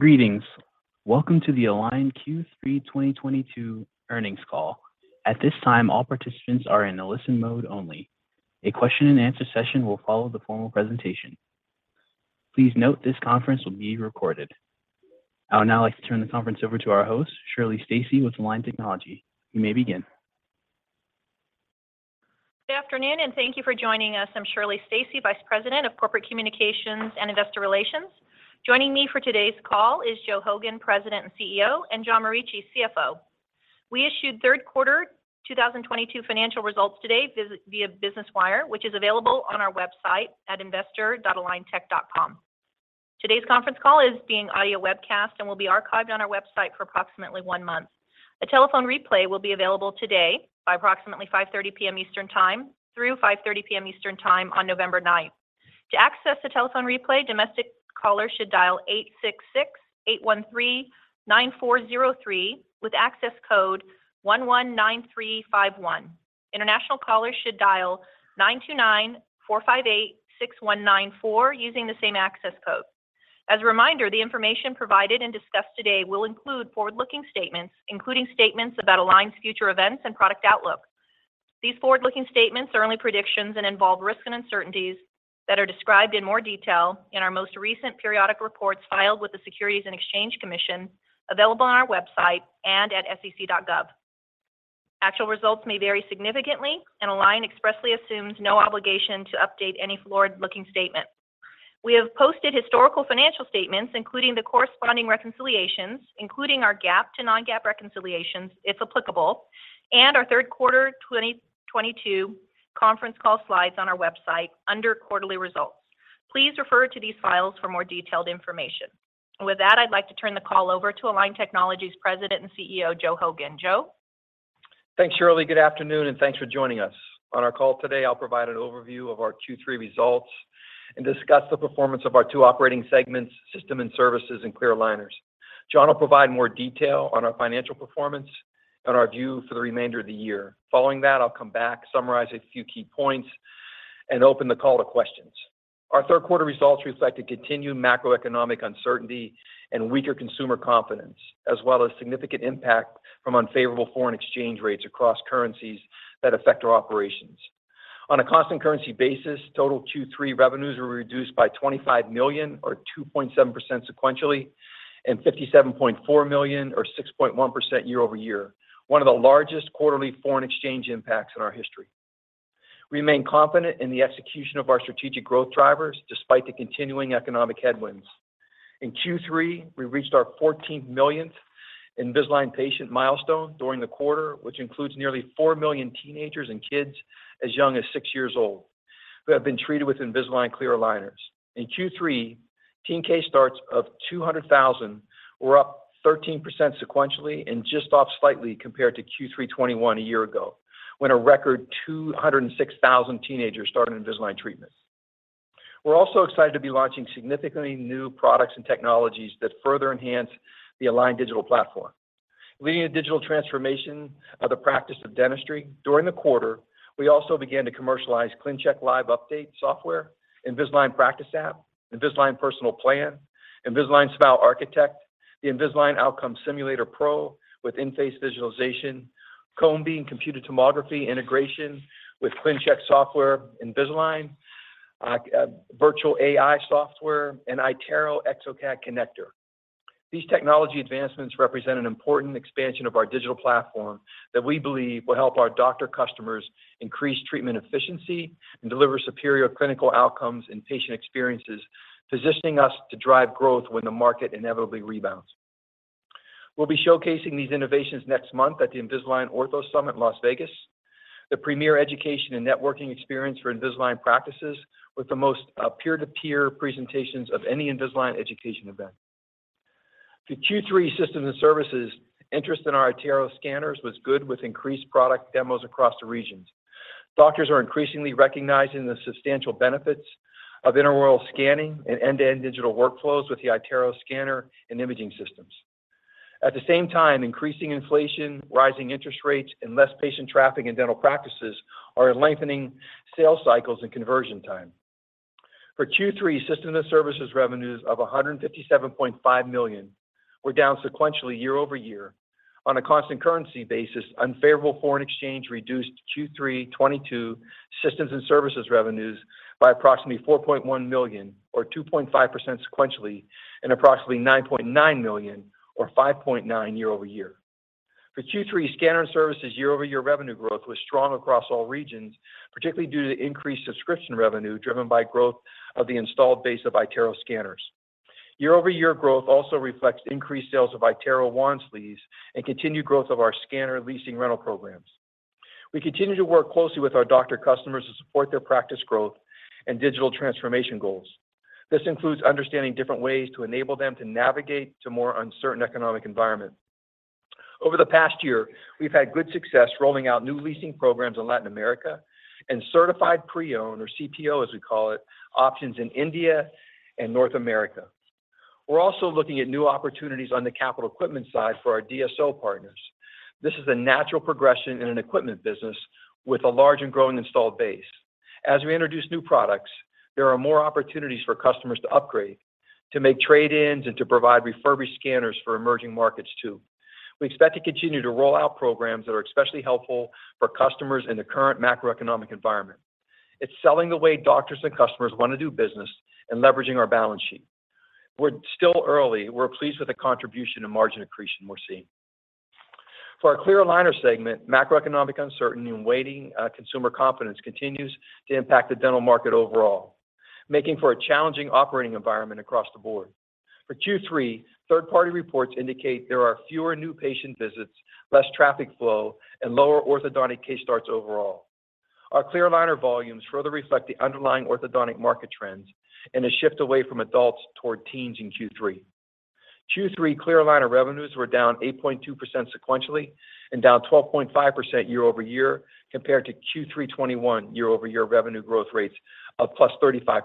Greetings. Welcome to the Align Q3 2022 earnings call. At this time, all participants are in a listen mode only. A question and answer session will follow the formal presentation. Please note this conference will be recorded. I would now like to turn the conference over to our host, Shirley Stacy with Align Technology. You may begin. Good afternoon, and thank you for joining us. I'm Shirley Stacy, Vice President of Corporate Communications and Investor Relations. Joining me for today's call is Joe Hogan, President and CEO, and John Morici, CFO. We issued Q3 2022 financial results today via Business Wire, which is available on our website at investor.aligntech.com. Today's conference call is being audio webcast and will be archived on our website for approximately one month. A telephone replay will be available today by approximately 5:30 P.M. Eastern time through 5:30 P.M. Eastern time on November 9. To access the telephone replay, domestic callers should dial 866-813-9403 with access code 119351. International callers should dial 929-458-6194 using the same access code. As a reminder, the information provided and discussed today will include forward-looking statements, including statements about Align's future events and product outlook. These forward-looking statements are only predictions and involve risks and uncertainties that are described in more detail in our most recent periodic reports filed with the Securities and Exchange Commission, available on our website and at sec.gov. Actual results may vary significantly, and Align expressly assumes no obligation to update any forward-looking statements. We have posted historical financial statements, including the corresponding reconciliations, including our GAAP to non-GAAP reconciliations, if applicable, and our Q3 2022 conference call slides on our website under quarterly results. Please refer to these files for more detailed information. With that, I'd like to turn the call over to Align Technology's President and CEO, Joe Hogan. Joe. Thanks, Shirley. Good afternoon, and thanks for joining us. On our call today, I'll provide an overview of our Q3 results and discuss the performance of our two operating segments, system and services, and clear aligners. John will provide more detail on our financial performance and our view for the remainder of the year. Following that, I'll come back, summarize a few key points and open the call to questions. Our Q3 results reflect the continued macroeconomic uncertainty and weaker consumer confidence, as well as significant impact from unfavorable foreign exchange rates across currencies that affect our operations. On a constant currency basis, total Q3 revenues were reduced by $25 million or 2.7% sequentially, and $57.4 million or 6.1% year-over-year, one of the largest quarterly foreign exchange impacts in our history. We remain confident in the execution of our strategic growth drivers despite the continuing economic headwinds. In Q3, we reached our 14 millionth Invisalign patient milestone during the quarter, which includes nearly 4 million teenagers and kids as young as six years old, who have been treated with Invisalign clear aligners. In Q3, teen case starts of 200,000 were up 13% sequentially and just off slightly compared to Q3 2021 a year ago, when a record 206,000 teenagers started Invisalign treatment. We're also excited to be launching significantly new products and technologies that further enhance the Align digital platform. Leading a digital transformation of the practice of dentistry during the quarter, we also began to commercialize ClinCheck Live Update software, Invisalign Practice App, Invisalign Personalized Plan, Invisalign Smile Architect, the Invisalign Outcome Simulator Pro with in-face visualization, cone beam computed tomography integration with ClinCheck software Invisalign Virtual Care AI software, and iTero-exocad Connector. These technology advancements represent an important expansion of our digital platform that we believe will help our doctor customers increase treatment efficiency and deliver superior clinical outcomes and patient experiences, positioning us to drive growth when the market inevitably rebounds. We'll be showcasing these innovations next month at the Invisalign Ortho Summit, Las Vegas, the premier education and networking experience for Invisalign practices with the most peer-to-peer presentations of any Invisalign education event. The Q3 systems and services interest in our iTero scanners was good with increased product demos across the regions. Doctors are increasingly recognizing the substantial benefits of intraoral scanning and end-to-end digital workflows with the iTero scanner and imaging systems. At the same time, increasing inflation, rising interest rates, and less patient traffic in dental practices are lengthening sales cycles and conversion time. For Q3, system and services revenues of $157.5 million were down sequentially year-over-year. On a constant currency basis, unfavorable foreign exchange reduced Q3 2022 systems and services revenues by approximately $4.1 million or 2.5% sequentially, and approximately $9.9 million or 5.9% year-over-year. For Q3, scanner services year-over-year revenue growth was strong across all regions, particularly due to increased subscription revenue driven by growth of the installed base of iTero scanners. Year-over-year growth also reflects increased sales of iTero wand lease and continued growth of our scanner leasing rental programs. We continue to work closely with our doctor customers to support their practice growth and digital transformation goals. This includes understanding different ways to enable them to navigate to more uncertain economic environment. Over the past year, we've had good success rolling out new leasing programs in Latin America and certified pre-owned or CPO, as we call it, options in India and North America. We're also looking at new opportunities on the capital equipment side for our DSO partners. This is a natural progression in an equipment business with a large and growing installed base. As we introduce new products, there are more opportunities for customers to upgrade, to make trade-ins, and to provide refurbished scanners for emerging markets, too. We expect to continue to roll out programs that are especially helpful for customers in the current macroeconomic environment. It's selling the way doctors and customers want to do business and leveraging our balance sheet. We're still early. We're pleased with the contribution and margin accretion we're seeing. For our clear aligner segment, macroeconomic uncertainty and waning consumer confidence continues to impact the dental market overall, making for a challenging operating environment across the board. For Q3, third-party reports indicate there are fewer new patient visits, less traffic flow, and lower orthodontic case starts overall. Our clear aligner volumes further reflect the underlying orthodontic market trends and a shift away from adults toward teens in Q3. Q3 clear aligner revenues were down 8.2% sequentially and down 12.5% year-over-year compared to Q3 2021 year-over-year revenue growth rates of +35%.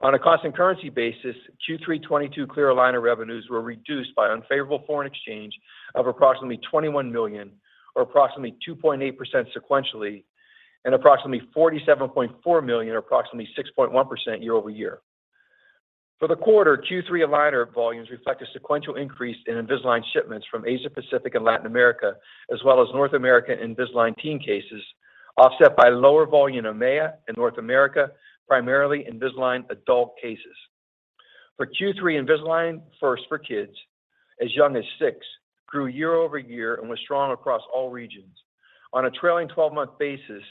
On a constant currency basis, Q3 2022 clear aligner revenues were reduced by unfavorable foreign exchange of approximately $21 million or approximately 2.8% sequentially, and approximately $47.4 million or approximately 6.1% year-over-year. For the quarter, Q3 aligner volumes reflect a sequential increase in Invisalign shipments from Asia Pacific and Latin America, as well as North America Invisalign Teen cases, offset by lower volume in EMEA and North America, primarily Invisalign adult cases. For Q3, Invisalign First for kids as young as six grew year-over-year and was strong across all regions. On a trailing twelve-month basis,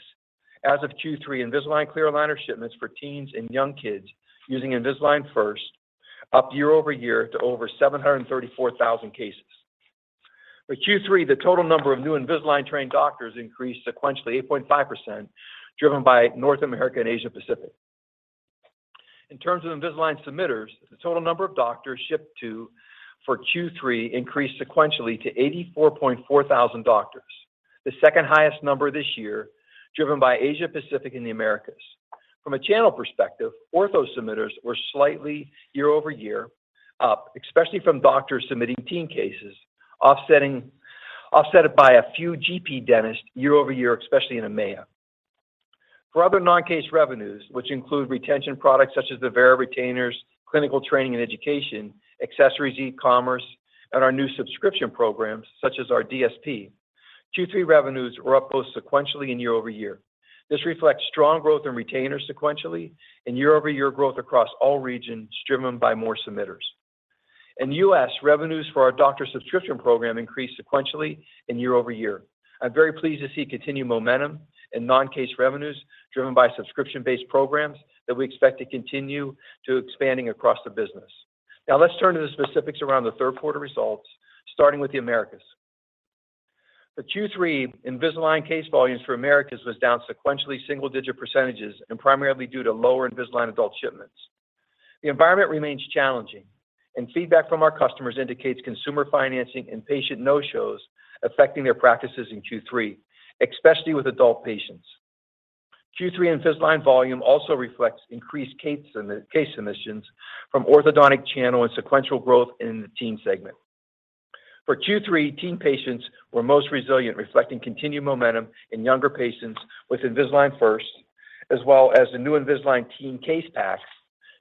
as of Q3, Invisalign clear aligner shipments for teens and young kids using Invisalign First, up year-over-year to over 734,000 cases. For Q3, the total number of new Invisalign trained doctors increased sequentially 8.5%, driven by North America and Asia Pacific. In terms of Invisalign submitters, the total number of doctors shipped to for Q3 increased sequentially to 84,400 doctors, the second highest number this year, driven by Asia Pacific and the Americas. From a channel perspective, ortho submitters were slightly year-over-year up, especially from doctors submitting teen cases, offset it by a few GP dentists year-over-year, especially in EMEA. For other non-case revenues, which include retention products such as the Vivera Retainers, clinical training and education, accessories, e-commerce, and our new subscription programs such as our DSP, Q3 revenues were up both sequentially and year-over-year. This reflects strong growth in retainers sequentially and year-over-year growth across all regions driven by more submitters. In the US, revenues for our doctor subscription program increased sequentially and year-over-year. I'm very pleased to see continued momentum in non-case revenues driven by subscription-based programs that we expect to continue to expanding across the business. Now let's turn to the specifics around the Q3 results, starting with the Americas. The Q3 Invisalign case volumes for Americas was down sequentially single-digit % and primarily due to lower Invisalign adult shipments. The environment remains challenging and feedback from our customers indicates consumer financing and patient no-shows affecting their practices in Q3, especially with adult patients. Q3 Invisalign volume also reflects increased case submissions from orthodontic channel and sequential growth in the teen segment. For Q3, teen patients were most resilient, reflecting continued momentum in younger patients with Invisalign First, as well as the new Invisalign Teen Case Packs.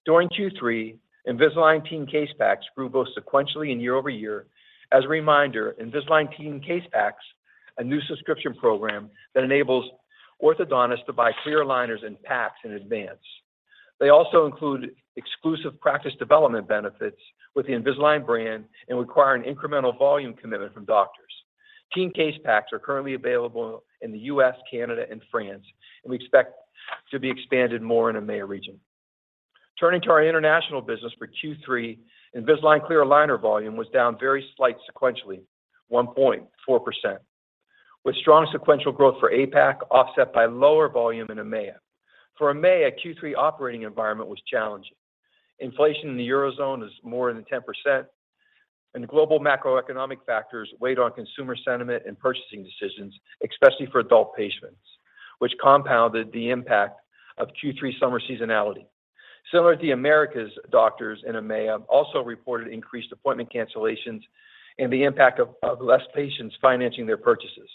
During Q3, Invisalign Teen Case Packs grew both sequentially and year-over-year. As a reminder, Invisalign Teen Case Packs, a new subscription program that enables orthodontists to buy clear aligners in packs in advance. They also include exclusive practice development benefits with the Invisalign brand and require an incremental volume commitment from doctors. Teen Case Packs are currently available in the U.S., Canada, and France, and we expect to be expanded more in the EMEA region. Turning to our international business for Q3, Invisalign clear aligner volume was down very slight sequentially, 1.4%, with strong sequential growth for APAC offset by lower volume in EMEA. For EMEA, Q3 operating environment was challenging. Inflation in the Eurozone is more than 10%, and global macroeconomic factors weighed on consumer sentiment and purchasing decisions, especially for adult patients, which compounded the impact of Q3 summer seasonality. Similar to Americas, doctors in EMEA also reported increased appointment cancellations and the impact of less patients financing their purchases.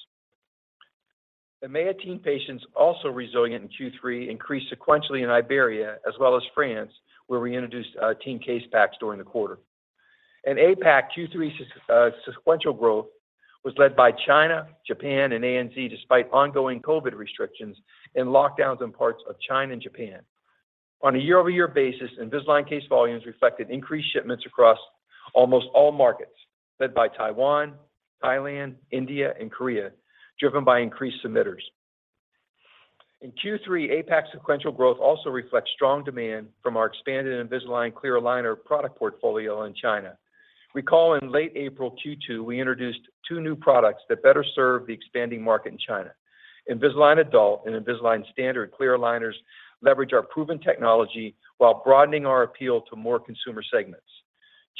EMEA teen patients also resilient in Q3, increased sequentially in Iberia as well as France, where we introduced Teen Case Packs during the quarter. In APAC, Q3 sequential growth was led by China, Japan, and ANZ, despite ongoing COVID restrictions and lockdowns in parts of China and Japan. On a year-over-year basis, Invisalign case volumes reflected increased shipments across almost all markets, led by Taiwan, Thailand, India, and Korea, driven by increased submitters. In Q3, APAC sequential growth also reflects strong demand from our expanded Invisalign clear aligner product portfolio in China. Recall in late April Q2, we introduced two new products that better serve the expanding market in China. Invisalign Adult and Invisalign Standard Clear Aligners leverage our proven technology while broadening our appeal to more consumer segments.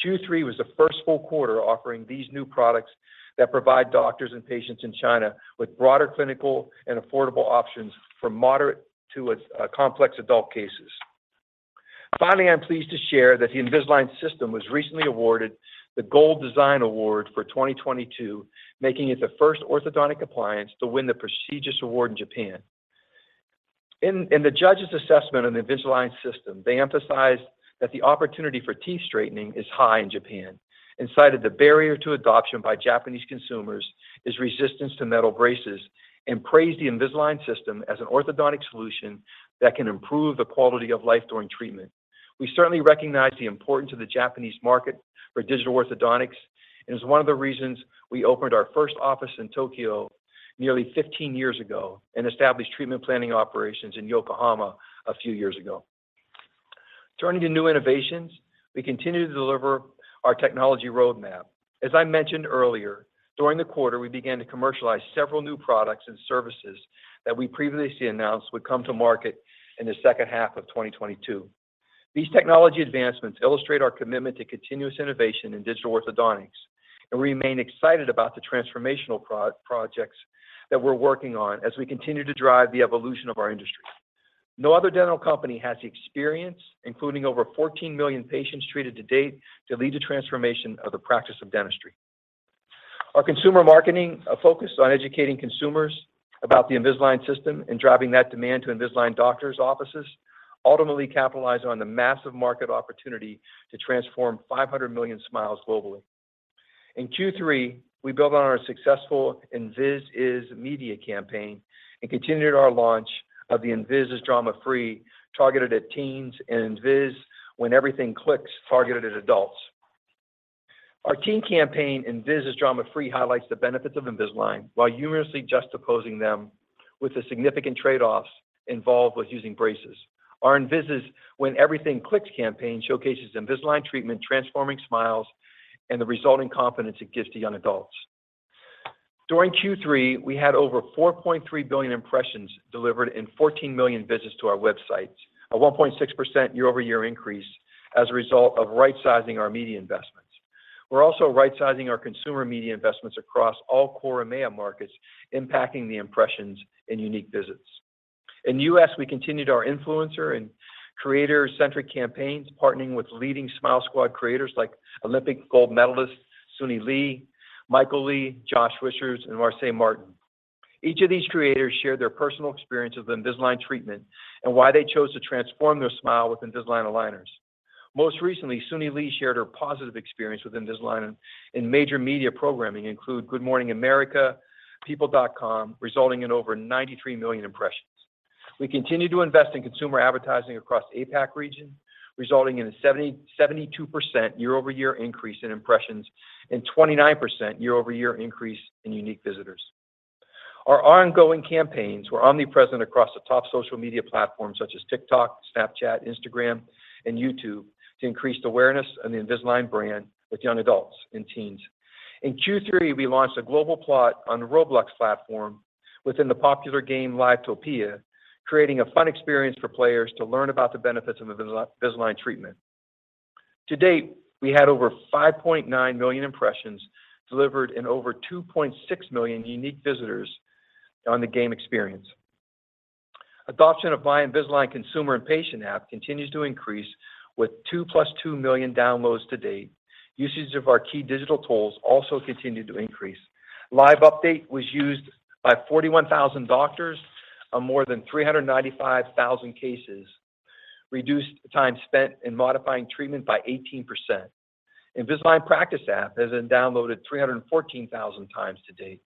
Q3 was the first full quarter offering these new products that provide doctors and patients in China with broader clinical and affordable options for moderate to complex adult cases. Finally, I'm pleased to share that the Invisalign system was recently awarded the Good Design Award for 2022, making it the first orthodontic appliance to win the prestigious award in Japan. In the judges' assessment of the Invisalign system, they emphasized that the opportunity for teeth straightening is high in Japan, and cited the barrier to adoption by Japanese consumers is resistance to metal braces, and praised the Invisalign system as an orthodontic solution that can improve the quality of life during treatment. We certainly recognize the importance of the Japanese market for digital orthodontics, and it's one of the reasons we opened our first office in Tokyo nearly 15 years ago, and established treatment planning operations in Yokohama a few years ago. Turning to new innovations, we continue to deliver our technology roadmap. As I mentioned earlier, during the quarter, we began to commercialize several new products and services that we previously announced would come to market in the H2 of 2022. These technology advancements illustrate our commitment to continuous innovation in digital orthodontics, and we remain excited about the transformational projects that we're working on as we continue to drive the evolution of our industry. No other dental company has the experience, including over 14 million patients treated to date, to lead the transformation of the practice of dentistry. Our consumer marketing are focused on educating consumers about the Invisalign system and driving that demand to Invisalign doctors' offices, ultimately capitalizing on the massive market opportunity to transform 500 million smiles globally. In Q3, we built on our successful Invis is media campaign and continued our launch of the Invis is drama-free, targeted at teens, and Invis when everything clicks, targeted at adults. Our teen campaign, Invis is drama-free, highlights the benefits of Invisalign while humorously juxtaposing them with the significant trade-offs involved with using braces. Our Invis is when everything clicks campaign showcases Invisalign treatment transforming smiles and the resulting confidence it gives to young adults. During Q3, we had over 4.3 billion impressions delivered in 14 million visits to our websites, a 1.6% year-over-year increase as a result of right-sizing our media investments. We're also right-sizing our consumer media investments across all core EMEA markets, impacting the impressions and unique visits. In the US, we continued our influencer and creator-centric campaigns, partnering with leading Smile Squad creators like Olympic gold medalist Suni Lee, Michael Le, Josh Richards, and Marsai Martin. Each of these creators shared their personal experience of the Invisalign treatment and why they chose to transform their smile with Invisalign aligners. Most recently, Suni Lee shared her positive experience with Invisalign in major media programming, including Good Morning America, People.com, resulting in over 93 million impressions. We continue to invest in consumer advertising across APAC region, resulting in a 72% year-over-year increase in impressions and 29% year-over-year increase in unique visitors. Our ongoing campaigns were omnipresent across the top social media platforms such as TikTok, Snapchat, Instagram, and YouTube to increase the awareness of the Invisalign brand with young adults and teens. In Q3, we launched a global pilot on the Roblox platform within the popular game Livetopia, creating a fun experience for players to learn about the benefits of Invisalign treatment. To date, we had over 5.9 million impressions delivered and over 2.6 million unique visitors on the game experience. Adoption of My Invisalign consumer and patient app continues to increase with 2.2 million downloads to date. Usage of our key digital tools also continued to increase. Live Update was used by 41,000 doctors on more than 395,000 cases, reduced time spent in modifying treatment by 18%. Invisalign Practice App has been downloaded 314,000 times to date.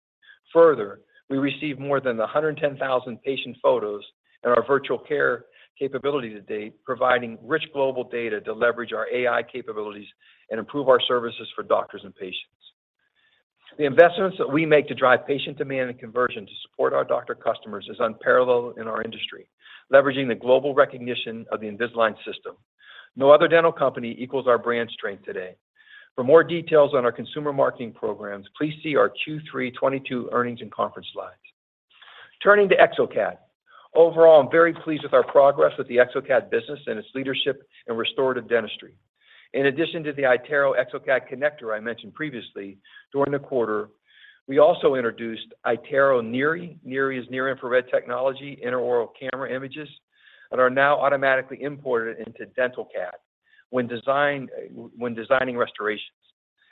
Further, we received more than 110,000 patient photos in our virtual care capability to date, providing rich global data to leverage our AI capabilities and improve our services for doctors and patients. The investments that we make to drive patient demand and conversion to support our doctor customers is unparalleled in our industry, leveraging the global recognition of the Invisalign system. No other dental company equals our brand strength today. For more details on our consumer marketing programs, please see our Q3 2022 earnings and conference slides. Turning to exocad. Overall, I'm very pleased with our progress with the exocad business and its leadership in restorative dentistry. In addition to the iTero-exocad Connector I mentioned previously, during the quarter, we also introduced iTero NIRI. NIRI is near-infrared technology, intraoral camera images that are now automatically imported into DentalCAD when designing restorations,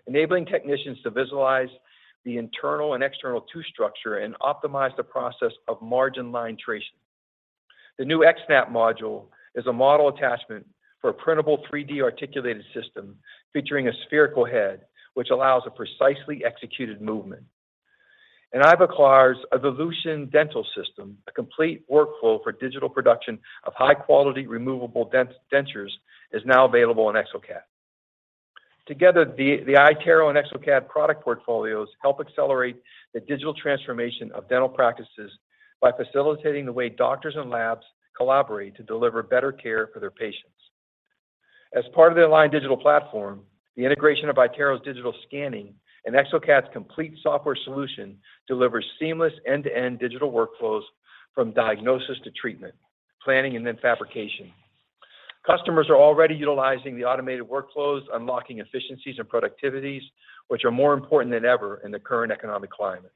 enabling technicians to visualize the internal and external tooth structure and optimize the process of margin line tracing. The new xSNAP module is a model attachment for a printable 3D articulated system featuring a spherical head, which allows a precisely executed movement. Ivoclar's Ivotion dental system, a complete workflow for digital production of high-quality removable dentures, is now available on exocad. Together, the iTero and exocad product portfolios help accelerate the digital transformation of dental practices by facilitating the way doctors and labs collaborate to deliver better care for their patients. As part of the Align Business platform, the integration of iTero's digital scanning and exocad's complete software solution delivers seamless end-to-end digital workflows from diagnosis to treatment, planning and then fabrication. Customers are already utilizing the automated workflows, unlocking efficiencies and productivities, which are more important than ever in the current economic climate.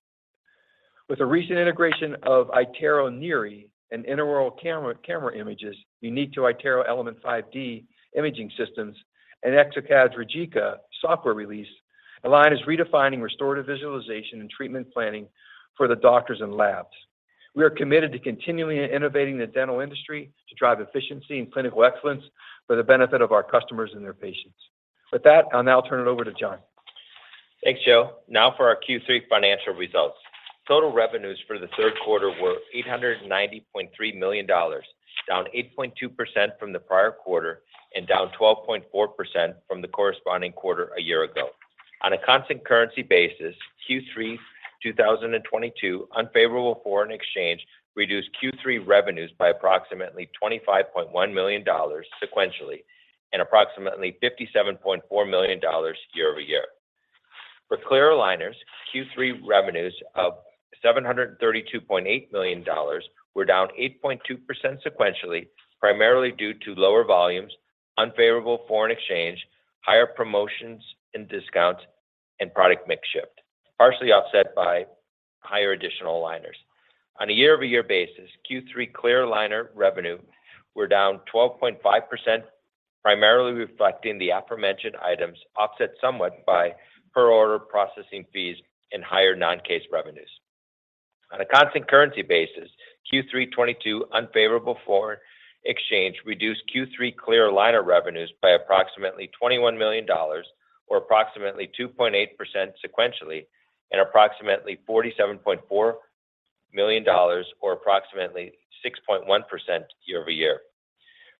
With the recent integration of iTero NIRI and intraoral camera images unique to iTero Element 5D imaging systems and exocad Rijeka software release, Align is redefining restorative visualization and treatment planning for the doctors and labs. We are committed to continually innovating the dental industry to drive efficiency and clinical excellence for the benefit of our customers and their patients. With that, I'll now turn it over to John. Thanks, Joe. Now for our Q3 financial results. Total revenues for the Q3 were $890.3 million, down 8.2% from the prior quarter and down 12.4% from the corresponding quarter a year ago. On a constant currency basis, Q3 2022 unfavorable foreign exchange reduced Q3 revenues by approximately $25.1 million sequentially and approximately $57.4 million year-over-year. For clear aligners, Q3 revenues of $732.8 million were down 8.2% sequentially, primarily due to lower volumes, unfavorable foreign exchange, higher promotions and discounts, and product mix shift, partially offset by higher additional aligners. On a year-over-year basis, Q3 clear aligner revenue were down 12.5%, primarily reflecting the aforementioned items, offset somewhat by per order processing fees and higher non-case revenues. On a constant currency basis, Q3 2022 unfavorable foreign exchange reduced Q3 clear aligner revenues by approximately $21 million or approximately 2.8% sequentially, and approximately $47.4 million or approximately 6.1% year-over-year.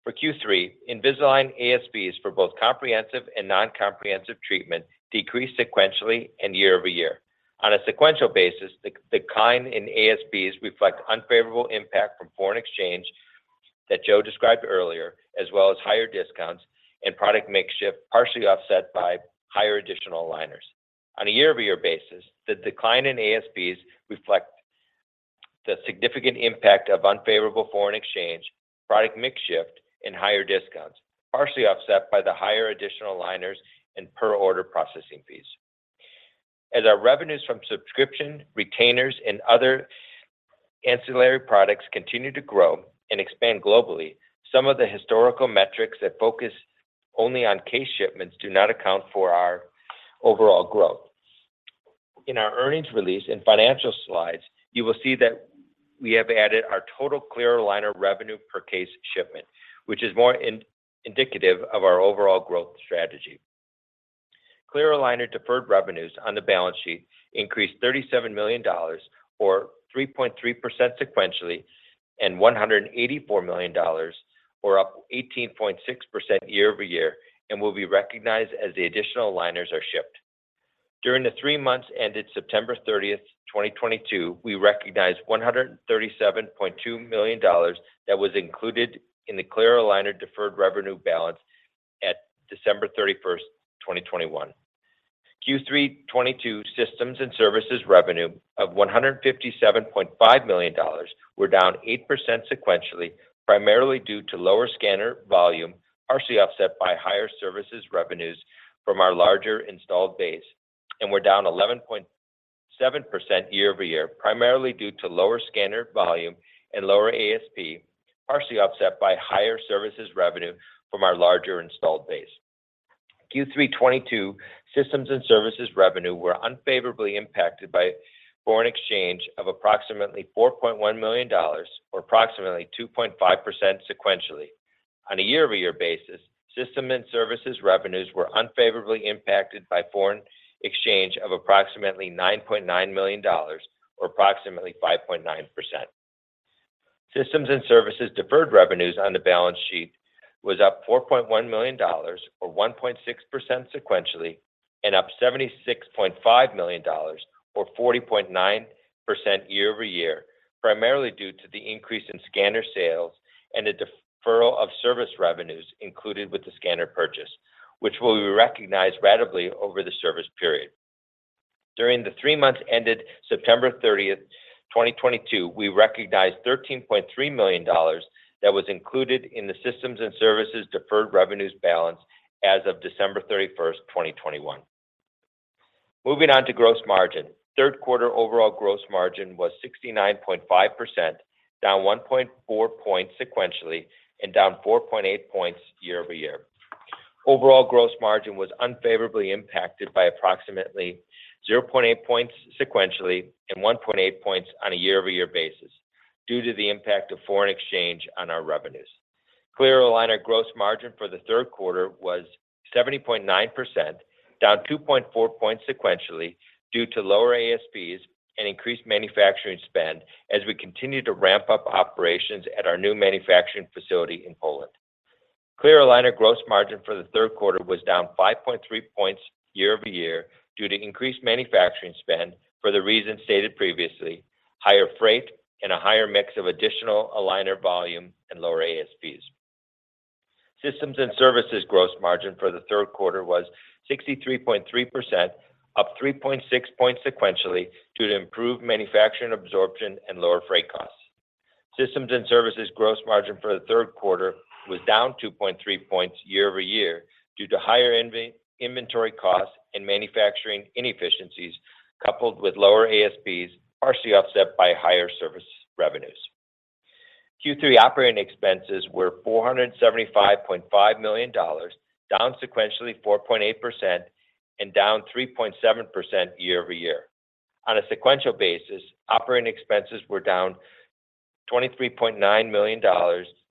For Q3, Invisalign ASPs for both comprehensive and non-comprehensive treatment decreased sequentially and year-over-year. On a sequential basis, the decline in ASPs reflect unfavorable impact from foreign exchange that Joe described earlier, as well as higher discounts and product mix shift, partially offset by higher additional aligners. On a year-over-year basis, the decline in ASPs reflect the significant impact of unfavorable foreign exchange, product mix shift, and higher discounts, partially offset by the higher additional aligners and per order processing fees. As our revenues from subscription, retainers, and other ancillary products continue to grow and expand globally, some of the historical metrics that focus only on case shipments do not account for our overall growth. In our earnings release and financial slides, you will see that we have added our total clear aligner revenue per case shipment, which is more indicative of our overall growth strategy. Clear aligner deferred revenues on the balance sheet increased $37 million or 3.3% sequentially, and $184 million or up 18.6% year-over-year and will be recognized as the additional aligners are shipped. During the three months ended September 30, 2022, we recognized $137.2 million that was included in the clear aligner deferred revenue balance at December 31, 2021. Q3 2022 systems and services revenue of $157.5 million were down 8% sequentially, primarily due to lower scanner volume, partially offset by higher services revenues from our larger installed base, and were down 11.7% year-over-year, primarily due to lower scanner volume and lower ASP, partially offset by higher services revenue from our larger installed base. Q3 2022 systems and services revenue were unfavorably impacted by foreign exchange of approximately $4.1 million or approximately 2.5% sequentially. On a year-over-year basis, systems and services revenues were unfavorably impacted by foreign exchange of approximately $9.9 million or approximately 5.9%. Systems and services deferred revenues on the balance sheet was up $4.1 million or 1.6% sequentially, and up $76.5 million or 40.9% year-over-year, primarily due to the increase in scanner sales and a deferral of service revenues included with the scanner purchase, which will be recognized ratably over the service period. During the three months ended September 30th, 2022, we recognized $13.3 million that was included in the systems and services deferred revenues balance as of December 31st, 2021. Moving on to gross margin. Q3 overall gross margin was 69.5%, down 1.4 points sequentially and down 4.8 points year-over-year. Overall gross margin was unfavorably impacted by approximately 0.8 points sequentially and 1.8 points on a year-over-year basis due to the impact of foreign exchange on our revenues. Clear aligner gross margin for the Q3 was 70.9%, down 2.4 points sequentially due to lower ASPs and increased manufacturing spend as we continue to ramp up operations at our new manufacturing facility in Poland. Clear aligner gross margin for the Q3 was down 5.3 points year-over-year due to increased manufacturing spend for the reasons stated previously, higher freight, and a higher mix of additional aligner volume and lower ASPs. Systems and services gross margin for the Q3 was 63.3%, up 3.6 points sequentially due to improved manufacturing absorption and lower freight costs. Systems and services gross margin for the Q3 was down 2.3 points year-over-year due to higher inventory costs and manufacturing inefficiencies, coupled with lower ASPs, partially offset by higher service revenues. Q3 operating expenses were $475.5 million, down sequentially 4.8% and down 3.7% year-over-year. On a sequential basis, operating expenses were down $23.9 million,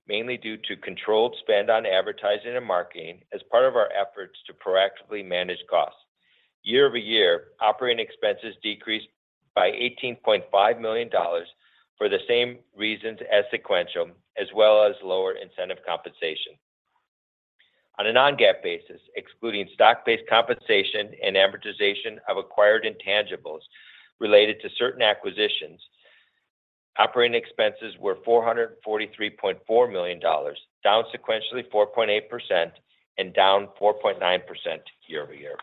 mainly due to controlled spend on advertising and marketing as part of our efforts to proactively manage costs. Year-over-year, operating expenses decreased by $18.5 million for the same reasons as sequential, as well as lower incentive compensation. On a non-GAAP basis, excluding stock-based compensation and amortization of acquired intangibles related to certain acquisitions, operating expenses were $443.4 million, down sequentially 4.8% and down 4.9% year-over-year.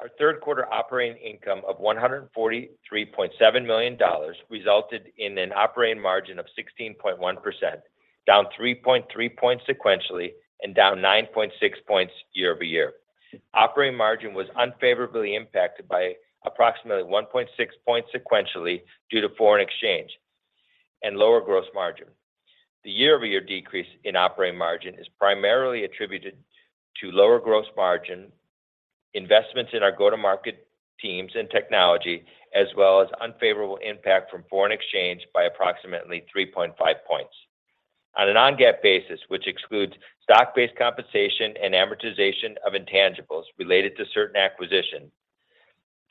Our Q3 operating income of $143.7 million resulted in an operating margin of 16.1%, down 3.3 points sequentially and down 9.6 points year-over-year. Operating margin was unfavorably impacted by approximately 1.6 points sequentially due to foreign exchange and lower gross margin. The year-over-year decrease in operating margin is primarily attributed to lower gross margin, investments in our go-to-market teams and technology, as well as unfavorable impact from foreign exchange by approximately 3.5 points. On a non-GAAP basis, which excludes stock-based compensation and amortization of intangibles related to certain acquisition,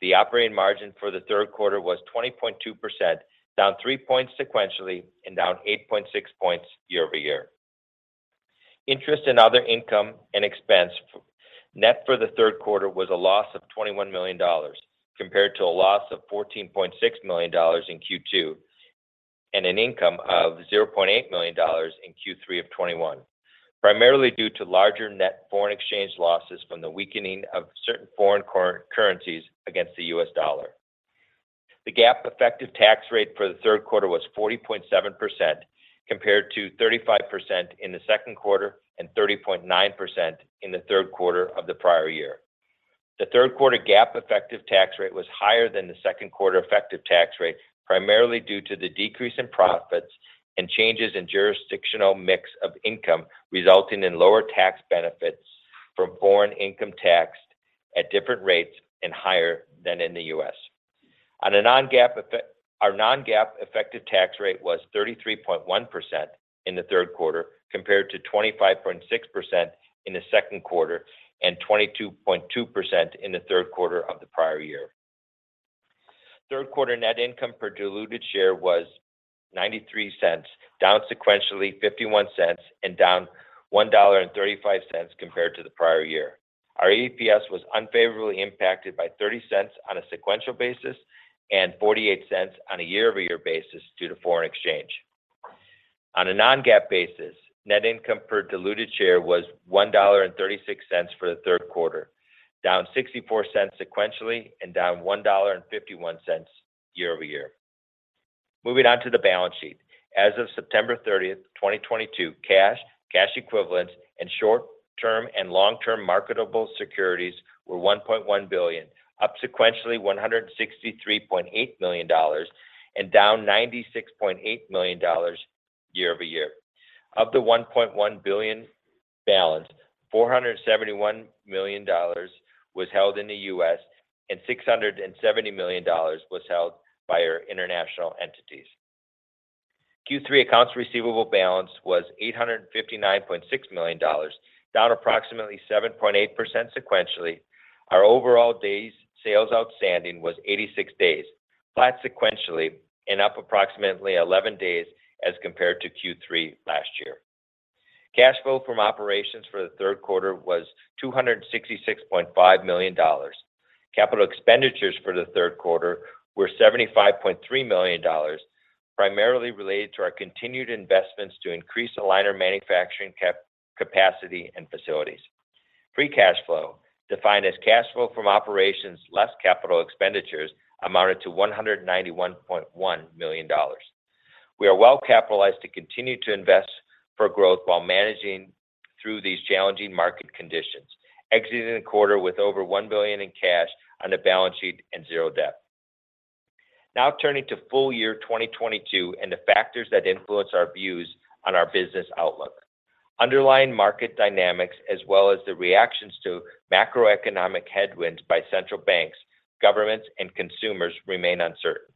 the operating margin for the Q3 was 20.2%, down 3 points sequentially and down 8.6 points year-over-year. Interest and other income and expense net for the Q3 was a loss of $21 million, compared to a loss of $14.6 million in Q2, and an income of $0.8 million in Q3 of 2021, primarily due to larger net foreign exchange losses from the weakening of certain foreign currencies against the US dollar. The GAAP effective tax rate for the Q3 was 40.7% compared to 35% in the Q1 and 30.9% in the Q3 of the prior year. The Q3 GAAP effective tax rate was higher than the Q1 effective tax rate, primarily due to the decrease in profits and changes in jurisdictional mix of income, resulting in lower tax benefits from foreign income taxed at different rates and higher than in the US. Our non-GAAP effective tax rate was 33.1% in the Q3 compared to 25.6% in the Q1 and 22.2% in the Q3 of the prior year. Q3 net income per diluted share was $0.93, down sequentially $0.51 and down $1.35 compared to the prior year. Our EPS was unfavorably impacted by $0.30 on a sequential basis and $0.48 on a year-over-year basis due to foreign exchange. On a non-GAAP basis, net income per diluted share was $1.36 for the Q3, down $0.64 sequentially and down $1.51 year over year. Moving on to the balance sheet. As of September 30, 2022, cash equivalents, and short-term and long-term marketable securities were $1.1 billion, up sequentially $163.8 million and down $96.8 million year over year. Of the $1.1 billion balance, $471 million was held in the U.S., and $670 million was held by our international entities. Q3 accounts receivable balance was $859.6 million, down approximately 7.8% sequentially. Our overall days sales outstanding was 86 days, flat sequentially and up approximately 11 days as compared to Q3 last year. Cash flow from operations for the Q3 was $266.5 million. Capital expenditures for the Q3 were $75.3 million, primarily related to our continued investments to increase aligner manufacturing capacity and facilities. Free cash flow, defined as cash flow from operations less capital expenditures, amounted to $191.1 million. We are well capitalized to continue to invest for growth while managing through these challenging market conditions, exiting the quarter with over $1 billion in cash on the balance sheet and zero debt. Now turning to full year 2022 and the factors that influence our views on our business outlook. Underlying market dynamics as well as the reactions to macroeconomic headwinds by central banks, governments, and consumers remain uncertain.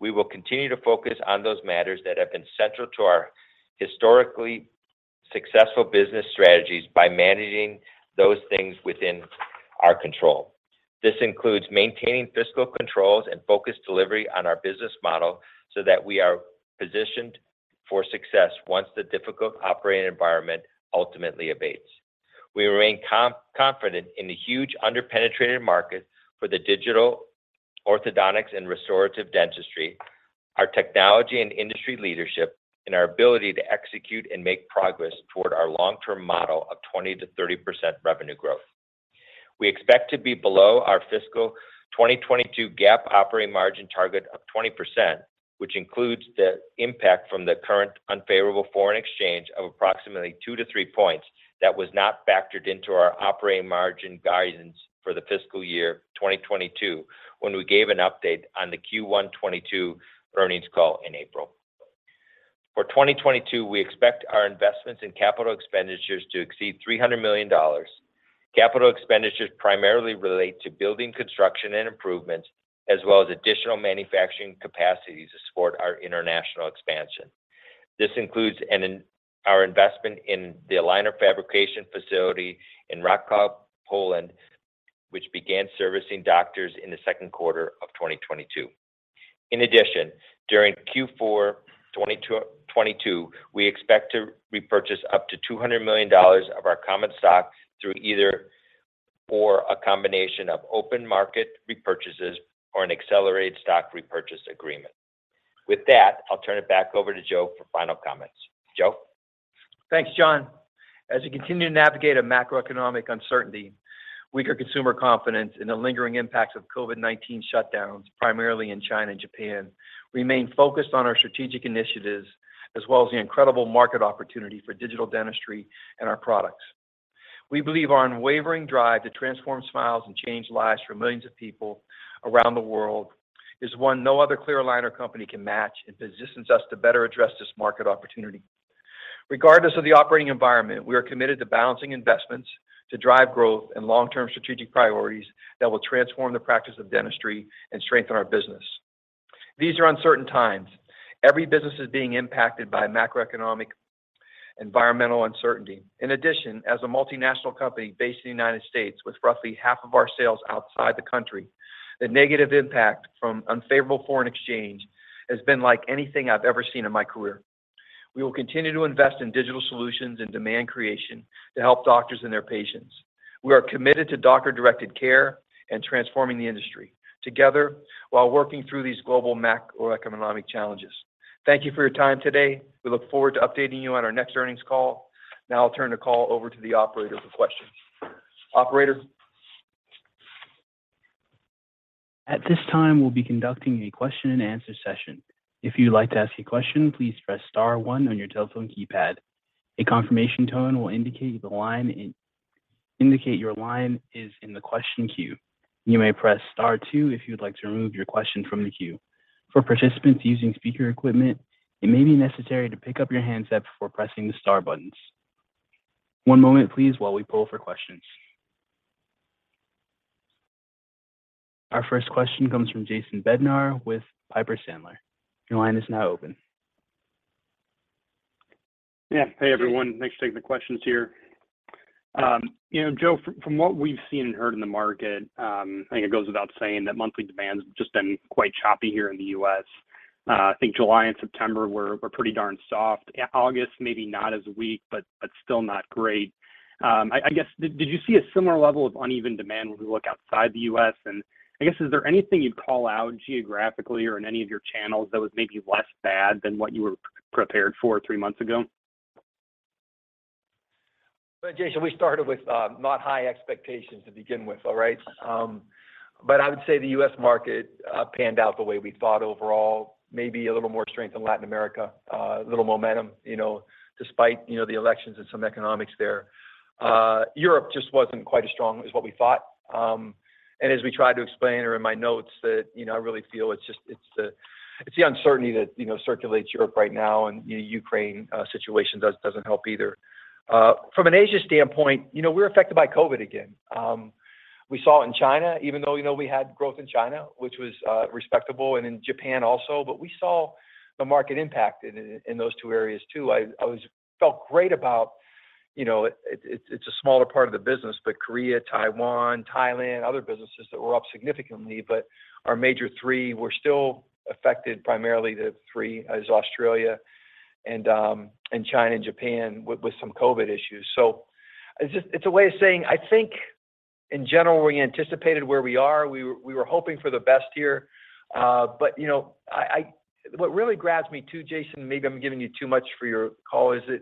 We will continue to focus on those matters that have been central to our historically successful business strategies by managing those things within our control. This includes maintaining fiscal controls and focused delivery on our business model so that we are positioned for success once the difficult operating environment ultimately abates. We remain confident in the huge under-penetrated market for the digital orthodontics and restorative dentistry, our technology and industry leadership, and our ability to execute and make progress toward our long-term model of 20%-30% revenue growth. We expect to be below our fiscal 2022 GAAP operating margin target of 20%, which includes the impact from the current unfavorable foreign exchange of approximately 2-3 points that was not factored into our operating margin guidance for the fiscal year 2022 when we gave an update on the Q1 2022 earnings call in April. For 2022, we expect our investments in capital expenditures to exceed $300 million. Capital expenditures primarily relate to building construction and improvements, as well as additional manufacturing capacity to support our international expansion. This includes our investment in the aligner fabrication facility in Wrocław, Poland, which began servicing doctors in the Q1 of 2022. In addition, during Q4 2022, we expect to repurchase up to $200 million of our common stock through either or a combination of open market repurchases or an accelerated stock repurchase agreement. With that, I'll turn it back over to Joe for final comments. Joe? Thanks, John. As we continue to navigate a macroeconomic uncertainty, weaker consumer confidence, and the lingering impacts of COVID-19 shutdowns, primarily in China and Japan, we remain focused on our strategic initiatives as well as the incredible market opportunity for digital dentistry and our products. We believe our unwavering drive to transform smiles and change lives for millions of people around the world is one no other clear aligner company can match and positions us to better address this market opportunity. Regardless of the operating environment, we are committed to balancing investments to drive growth and long-term strategic priorities that will transform the practice of dentistry and strengthen our business. These are uncertain times. Every business is being impacted by macroeconomic environmental uncertainty. In addition, as a multinational company based in the United States with roughly half of our sales outside the country, the negative impact from unfavorable foreign exchange has been unlike anything I've ever seen in my career. We will continue to invest in digital solutions and demand creation to help doctors and their patients. We are committed to doctor-directed care and transforming the industry together while working through these global macroeconomic challenges. Thank you for your time today. We look forward to updating you on our next earnings call. Now I'll turn the call over to the operator for questions. Operator? At this time, we'll be conducting a question and answer session. If you'd like to ask a question, please press star one on your telephone keypad. A confirmation tone will indicate your line is in the question queue. You may press star two if you'd like to remove your question from the queue. For participants using speaker equipment, it may be necessary to pick up your handset before pressing the star buttons. One moment, please, while we poll for questions. Our first question comes from Jason Bednar with Piper Sandler. Your line is now open. Yeah. Hey, everyone. Thanks for taking the questions here. You know, Joe, from what we've seen and heard in the market, I think it goes without saying that monthly demand's just been quite choppy here in the US. I think July and September were pretty darn soft. August, maybe not as weak, but still not great. I guess, did you see a similar level of uneven demand when we look outside the US? I guess, is there anything you'd call out geographically or in any of your channels that was maybe less bad than what you were prepared for three months ago? Well, Jason, we started with not high expectations to begin with. All right? I would say the U.S. market panned out the way we thought overall, maybe a little more strength in Latin America, a little momentum, you know, despite, you know, the elections and some economics there. Europe just wasn't quite as strong as what we thought. As we tried to explain in my notes that, you know, I really feel it's just the uncertainty that, you know, circulates Europe right now, and, you know, Ukraine situation doesn't help either. From an Asia standpoint, you know, we're affected by COVID again. We saw it in China, even though, you know, we had growth in China, which was respectable, and in Japan also, but we saw the market impact in those two areas, too. I felt great about, you know, it's a smaller part of the business, but Korea, Taiwan, Thailand, other businesses that were up significantly. Our major three were still affected, primarily the three, as Australia and China and Japan with some COVID issues. It's a way of saying, I think in general, we anticipated where we are. We were hoping for the best year. What really grabs me too, Jason, maybe I'm giving you too much for your call, is that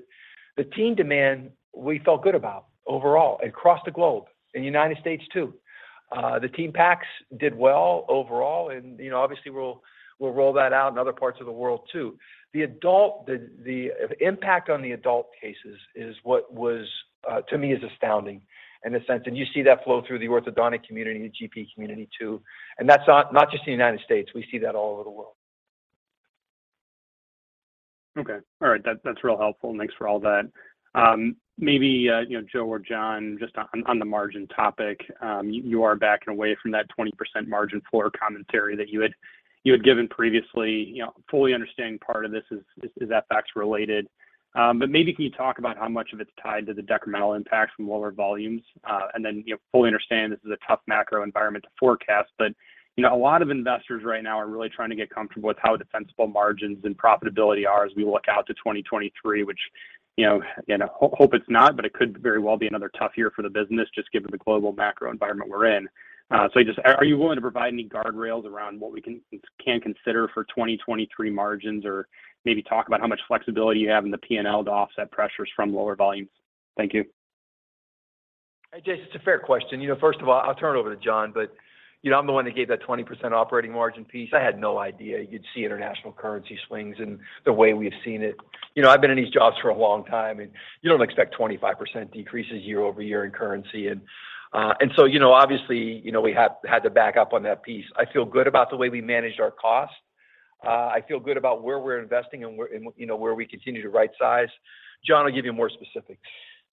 the teen demand we felt good about overall across the globe, in the United States, too. The teen packs did well overall and, you know, obviously we'll roll that out in other parts of the world, too. The impact on the adult cases is what was to me is astounding in a sense. You see that flow through the orthodontic community and the GP community, too. That's not just the United States. We see that all over the world. Okay. All right. That's real helpful. Thanks for all that. Maybe you know, Joe or John, just on the margin topic, you are backing away from that 20% margin for commentary that you had given previously. You know, fully understanding part of this is FX related. But maybe can you talk about how much of it's tied to the decremental impact from lower volumes? And then, you know, fully understand this is a tough macro environment to forecast, but you know, a lot of investors right now are really trying to get comfortable with how defensible margins and profitability are as we look out to 2023, which you know, and hope it's not, but it could very well be another tough year for the business just given the global macro environment we're in. Are you willing to provide any guardrails around what we can consider for 2023 margins or maybe talk about how much flexibility you have in the P&L to offset pressures from lower volumes? Thank you. Hey, Jason, it's a fair question. You know, first of all, I'll turn it over to John, but, you know, I'm the one that gave that 20% operating margin piece. I had no idea you'd see international currency swings in the way we've seen it. You know, I've been in these jobs for a long time, and you don't expect 25% decreases year-over-year in currency. You know, obviously, you know, we had to back up on that piece. I feel good about the way we managed our cost. I feel good about where we're investing and, you know, where we continue to right size. John will give you more specifics.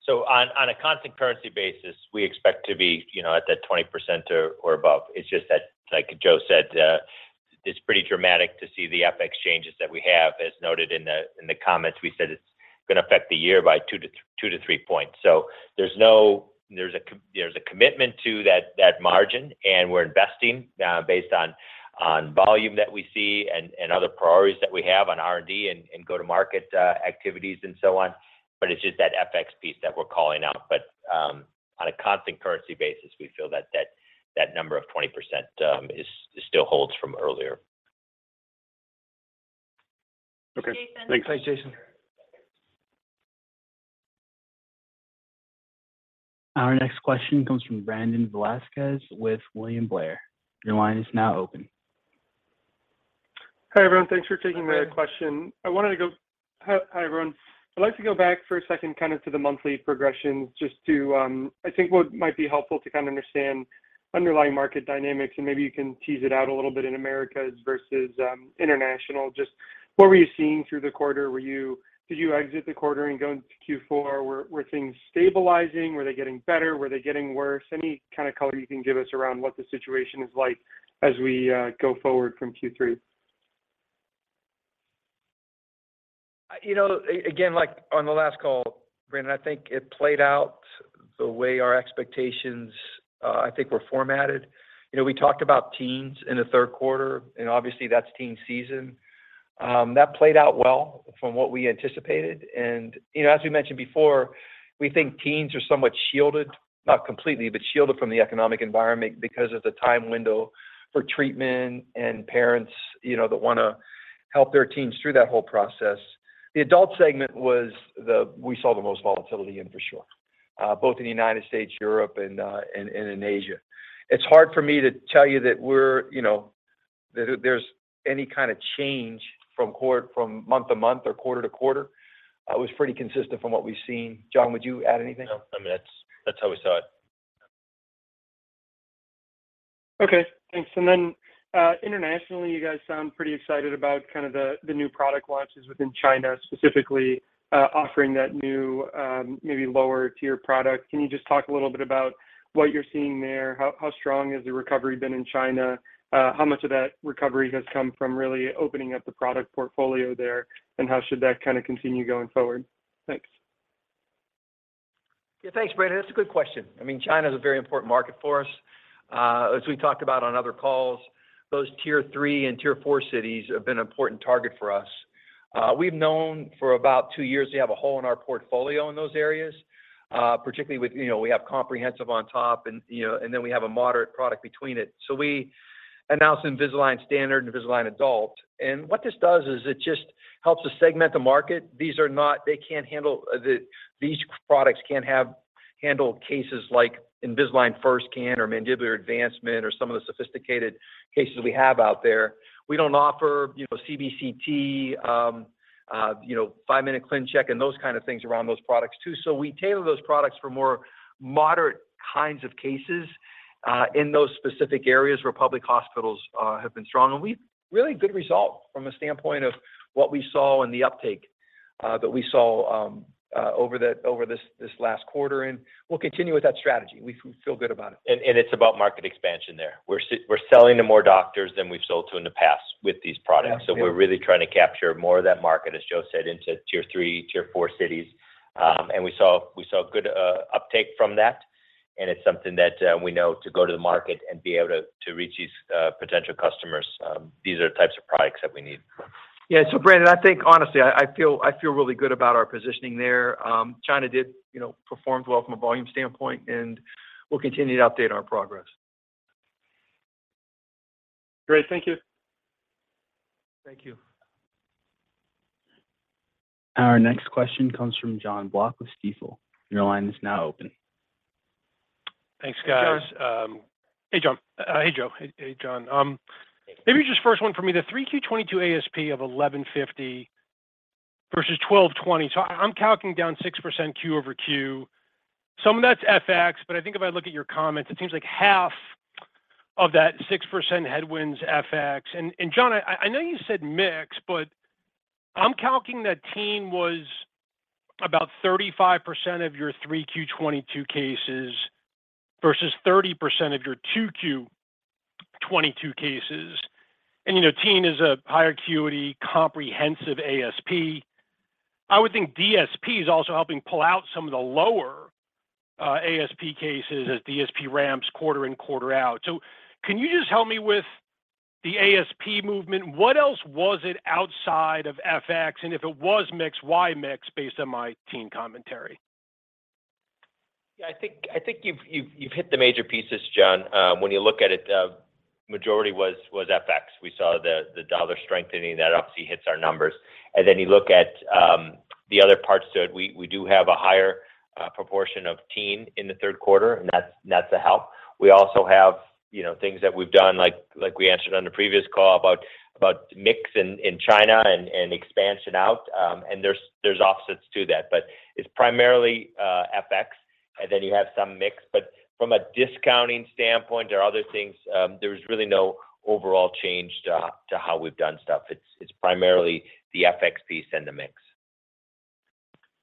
On a constant currency basis, we expect to be, you know, at that 20% or above. It's just that, like Joe said, it's pretty dramatic to see the FX changes that we have. As noted in the comments, we said it's gonna affect the year by 2-3 points. There's a commitment to that margin, and we're investing based on volume that we see and other priorities that we have on R&D and go-to-market activities and so on. It's just that FX piece that we're calling out. On a constant currency basis, we feel that number of 20% is still holds from earlier. Okay. Jason. Thanks. Thanks, Jason. Our next question comes from Brandon Vazquez with William Blair. Your line is now open. Hi, everyone. Thanks for taking my question. Hi, hi, everyone. I'd like to go back for a second kind of to the monthly progressions just to, I think what might be helpful to kind of understand underlying market dynamics, and maybe you can tease it out a little bit in Americas versus international. Just what were you seeing through the quarter? Did you exit the quarter and go into Q4? Were things stabilizing? Were they getting better? Were they getting worse? Any kind of color you can give us around what the situation is like as we go forward from Q3. You know, again, like on the last call, Brandon, I think it played out the way our expectations were formulated. You know, we talked about teens in the Q3, and obviously that's teen season. That played out well from what we anticipated. You know, as we mentioned before, we think teens are somewhat shielded, not completely, but shielded from the economic environment because of the time window for treatment and parents, you know, that wanna help their teens through that whole process. The adult segment was the one we saw the most volatility in for sure, both in the United States, Europe, and in Asia. It's hard for me to tell you that we're, you know, that there's any kind of change from month to month or quarter to quarter. It was pretty consistent from what we've seen. John, would you add anything? No. I mean, that's how we saw it. Okay. Thanks. internationally, you guys sound pretty excited about kind of the new product launches within China, specifically, offering that new, maybe lower tier product. Can you just talk a little bit about what you're seeing there? How strong has the recovery been in China? How much of that recovery has come from really opening up the product portfolio there, and how should that kind of continue going forward? Thanks. Yeah, thanks, Brandon. That's a good question. I mean, China is a very important market for us. As we talked about on other calls, those tier 3 and tier 4 cities have been an important target for us. We've known for about two years we have a hole in our portfolio in those areas, particularly with, you know, we have comprehensive on top and, you know, and then we have a moderate product between it. We announced Invisalign Standard and Invisalign Adult, and what this does is it just helps us segment the market. These are not. They can't handle cases like Invisalign First can or mandibular advancement or some of the sophisticated cases we have out there. We don't offer, you know, CBCT, you know, five-minute ClinCheck and those kind of things around those products too. We tailor those products for more moderate kinds of cases in those specific areas where public hospitals have been strong. We've really good results from a standpoint of what we saw and the uptake that we saw over this last quarter, and we'll continue with that strategy. We feel good about it. It's about market expansion there. We're selling to more doctors than we've sold to in the past with these products. Yeah. Yeah. We're really trying to capture more of that market, as Joe said, into tier three, tier four cities. We saw good uptake from that, and it's something that we need to go to the market and be able to reach these potential customers. These are the types of products that we need. Brandon, I think honestly, I feel really good about our positioning there. China, you know, performed well from a volume standpoint, and we'll continue to update our progress. Great. Thank you. Thank you. Our next question comes from Jonathan Block with Stifel. Your line is now open. Thanks, guys. Hey, John. Hey, John. Hey, Joe. Maybe just first one for me, the 3Q 2022 ASP of $1,150 versus $1,220. I'm calling down 6% quarter-over-quarter. Some of that's FX, but I think if I look at your comments, it seems like half of that 6% headwind is FX. And John, I know you said mix, but I'm calling that teen was about 35% of your 3Q 2022 cases versus 30% of your 2Q 2022 cases. You know, teen is a higher acuity, comprehensive ASP. I would think DSP is also helping pull out some of the lower ASP cases as DSP ramps quarter in, quarter out. Can you just help me with the ASP movement? What else was it outside of FX? If it was mix, why mix based on Invisalign Teen commentary? Yeah. I think you've hit the major pieces, John, when you look at it. Majority was FX. We saw the US dollar strengthening, that obviously hits our numbers. Then you look at the other parts to it, we do have a higher proportion of teen in the Q3, and that's a help. We also have, you know, things that we've done like we answered on the previous call about mix in China and expansion out. There's offsets to that. It's primarily FX, and then you have some mix. From a discounting standpoint or other things, there's really no overall change to how we've done stuff. It's primarily the FX piece and the mix.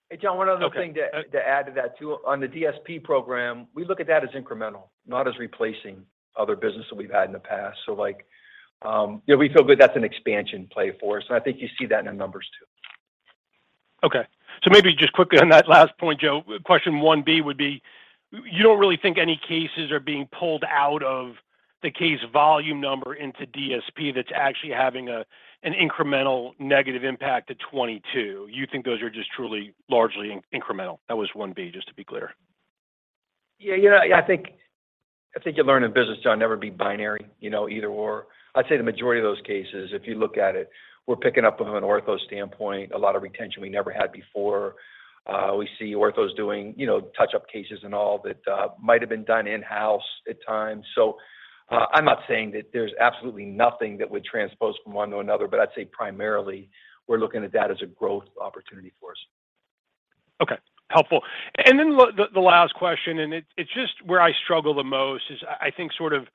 Hey, John, one other thing to- Okay. To add to that too. On the DSP program, we look at that as incremental, not as replacing other business that we've had in the past. Like, yeah, we feel good that's an expansion play for us, and I think you see that in the numbers too. Okay. Maybe just quickly on that last point, Joe, question one B would be, you don't really think any cases are being pulled out of the case volume number into DSP that's actually having a, an incremental negative impact to 2022. You think those are just truly largely incremental. That was one B, just to be clear. Yeah. You know, I think you learn in business, John, never be binary, you know, either/or. I'd say the majority of those cases, if you look at it, we're picking up from an ortho standpoint, a lot of retention we never had before. We see orthos doing, you know, touch-up cases and all that might have been done in-house at times. I'm not saying that there's absolutely nothing that would transpose from one to another, but I'd say primarily we're looking at that as a growth opportunity for us. Okay. Helpful. The last question, and it's just where I struggle the most is I think sort of,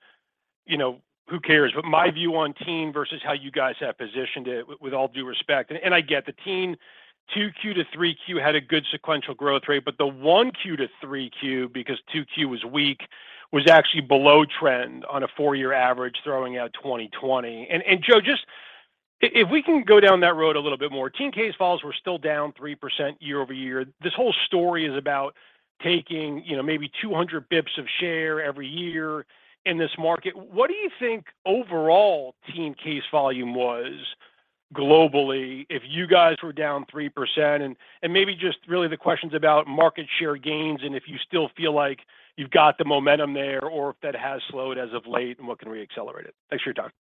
you know, who cares, but my view on teen versus how you guys have positioned it, with all due respect. I get the teen 2Q to 3Q had a good sequential growth rate, but the 1Q to 3Q because 2Q was weak, was actually below trend on a four-year average throwing out 2020. Joe, just if we can go down that road a little bit more. Teen case files were still down 3% year-over-year. This whole story is about taking, you know, maybe 200 basis points of share every year in this market. What do you think overall teen case volume was globally if you guys were down 3%? Maybe just really the questions about market share gains and if you still feel like you've got the momentum there or if that has slowed as of late, and what can we accelerate it. Thanks for your time.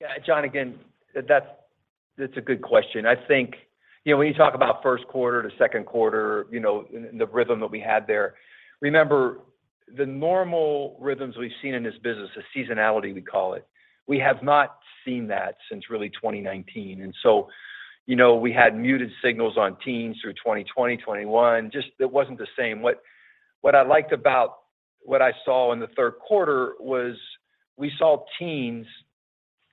Yeah. John, again, that's a good question. I think, you know, when you talk about Q1 to Q1, you know, and the rhythm that we had there, remember, the normal rhythms we've seen in this business, the seasonality we call it, we have not seen that since really 2019. So, you know, we had muted signals on teens through 2020, 2021. Just it wasn't the same. What I liked about what I saw in the Q3 was we saw teens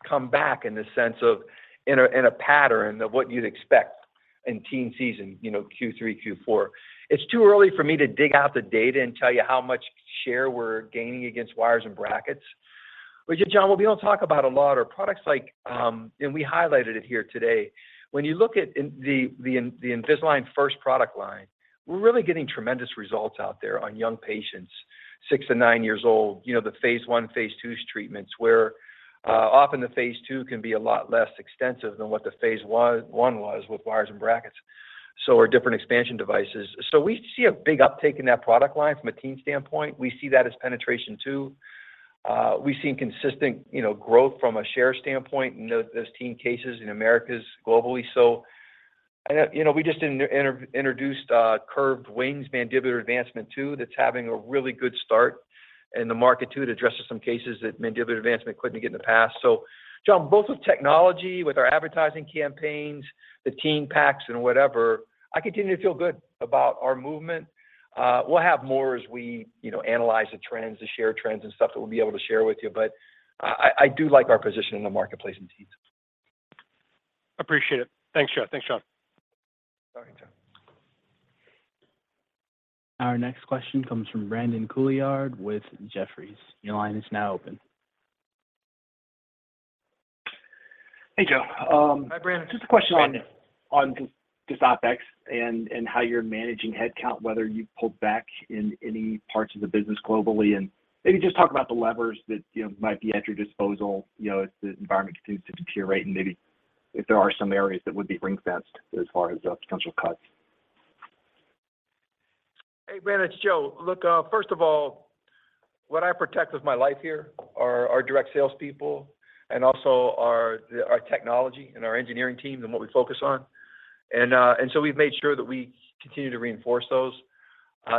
come back in the sense of in a pattern of what you'd expect in teen season, you know, Q3, Q4. It's too early for me to dig out the data and tell you how much share we're gaining against wires and brackets. John, what we don't talk about a lot are products like, and we highlighted it here today. When you look at the Invisalign First product line, we're really getting tremendous results out there on young patients, six to nine years old. You know, the phase one, phase two treatments, where often the phase two can be a lot less extensive than what the phase one was with wires and brackets. Our different expansion devices. We see a big uptick in that product line from a teen standpoint. We see that as penetration too. We've seen consistent, you know, growth from a share standpoint in those teen cases in Americas globally. We just introduced curved wings mandibular advancement too, that's having a really good start in the market too. It addresses some cases that mandibular advancement couldn't get in the past. John, both with technology, with our advertising campaigns, the teen packs and whatever, I continue to feel good about our movement. We'll have more as we, you know, analyze the trends, the share trends and stuff that we'll be able to share with you. I do like our position in the marketplace in teens. Appreciate it. Thanks, Joe. Thanks, John. All right, John. Our next question comes from Brandon Couillard with Jefferies. Your line is now open. Hey, Joe. Hi, Brandon. Just a question on just OpEx and how you're managing headcount, whether you've pulled back in any parts of the business globally. Maybe just talk about the levers that, you know, might be at your disposal, you know, if the environment continues to deteriorate and maybe if there are some areas that would be ring-fenced as far as potential cuts. Hey, Brandon, it's Joe. Look, first of all, what I protect with my life here are our direct sales people and also our technology and our engineering team and what we focus on. We've made sure that we continue to reinforce those.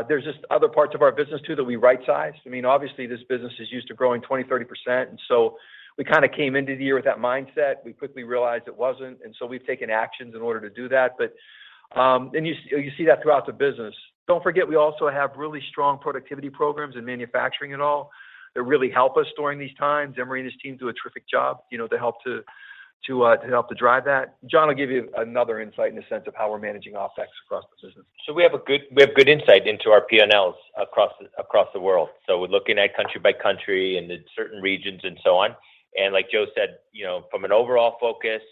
There's just other parts of our business too that we right-sized. I mean, obviously this business is used to growing 20%-30%, and so we kinda came into the year with that mindset. We quickly realized it wasn't, and so we've taken actions in order to do that. You see that throughout the business. Don't forget, we also have really strong productivity programs in manufacturing and all that really help us during these times. Emory and his team do a terrific job, you know, to help drive that. John will give you another insight in the sense of how we're managing OpEx across the business. We have good insight into our P&Ls across the world. We're looking country by country and in certain regions and so on. Like Joe said, you know, from an overall focus,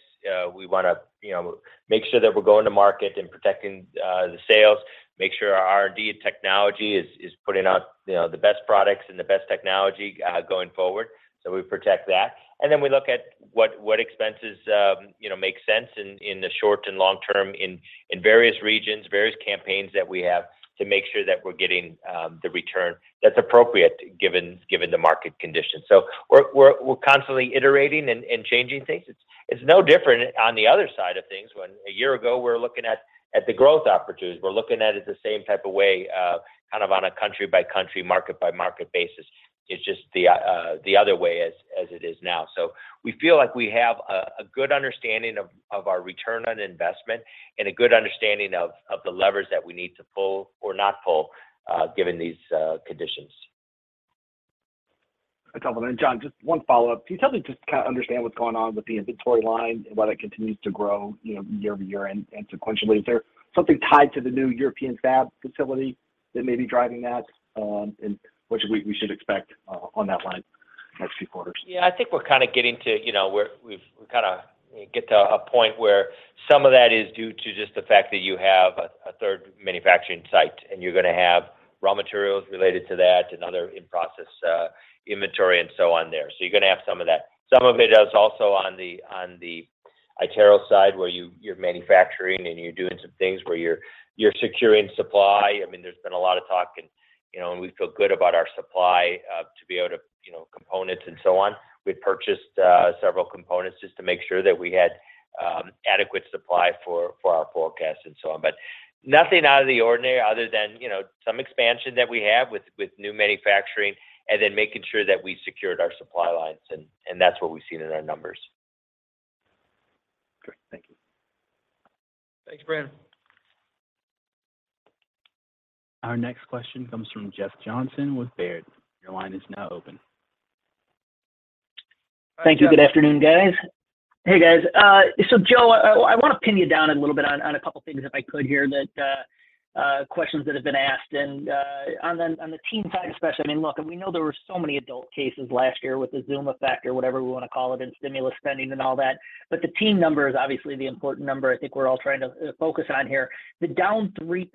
we wanna, you know, make sure that we're going to market and protecting the sales, make sure our R&D and technology is putting out, you know, the best products and the best technology going forward. We protect that. Then we look at what expenses, you know, make sense in the short and long term in various regions, various campaigns that we have to make sure that we're getting the return that's appropriate given the market conditions. We're constantly iterating and changing things. It's no different on the other side of things when a year ago we were looking at the growth opportunities. We're looking at it the same type of way, kind of on a country by country, market by market basis. It's just the other way as it is now. We feel like we have a good understanding of our return on investment and a good understanding of the levers that we need to pull or not pull, given these conditions. John, just one follow-up. Can you tell me just to kind of understand what's going on with the inventory line and why that continues to grow, you know, year over year and sequentially? Is there something tied to the new European fab facility that may be driving that, and what should we expect on that line the next few quarters? Yeah. I think we're kind of getting to, you know, we're kind of get to a point where some of that is due to just the fact that you have a third manufacturing site, and you're gonna have raw materials related to that and other in-process inventory and so on there. So you're gonna have some of that. Some of it is also on the iTero side where you're manufacturing and you're doing some things where you're securing supply. I mean, there's been a lot of talk and, you know, and we feel good about our supply to be able to, you know, components and so on. We've purchased several components just to make sure that we had adequate supply for our forecast and so on. nothing out of the ordinary other than, you know, some expansion that we have with new manufacturing and then making sure that we secured our supply lines and that's what we've seen in our numbers. Great. Thank you. Thanks, Brandon. Our next question comes from Jeff Johnson with Baird. Your line is now open. Thank you. Good afternoon, guys. Hey, guys. So Joe, I wanna pin you down a little bit on a couple of things if I could, questions that have been asked and on the teen side especially. I mean, look, we know there were so many adult cases last year with the Zoom effect or whatever we wanna call it and stimulus spending and all that. The teen number is obviously the important number I think we're all trying to focus on here. The down 3%,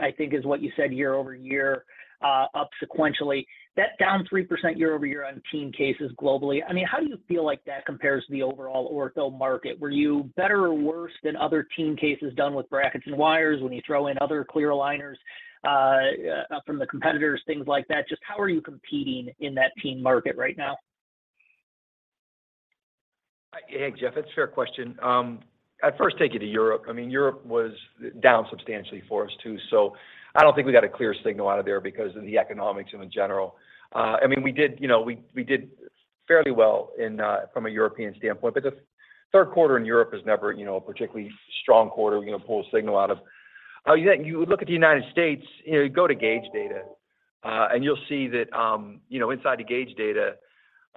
I think is what you said year-over-year, up sequentially. That down 3% year-over-year on teen cases globally, I mean, how do you feel like that compares to the overall ortho market? Were you better or worse than other teen cases done with brackets and wires when you throw in other clear aligners, from the competitors, things like that? Just how are you competing in that teen market right now? Hey, Jeff. That's a fair question. I'd first take you to Europe. I mean, Europe was down substantially for us too. I don't think we got a clear signal out of there because of the economics in general. I mean, we did, you know, we did fairly well in from a European standpoint, but the Q3 in Europe is never, you know, a particularly strong quarter, you know, to pull a signal out of. Yeah, you look at the United States, you know, you go to Gaidge data and you'll see that, you know, inside the Gaidge data,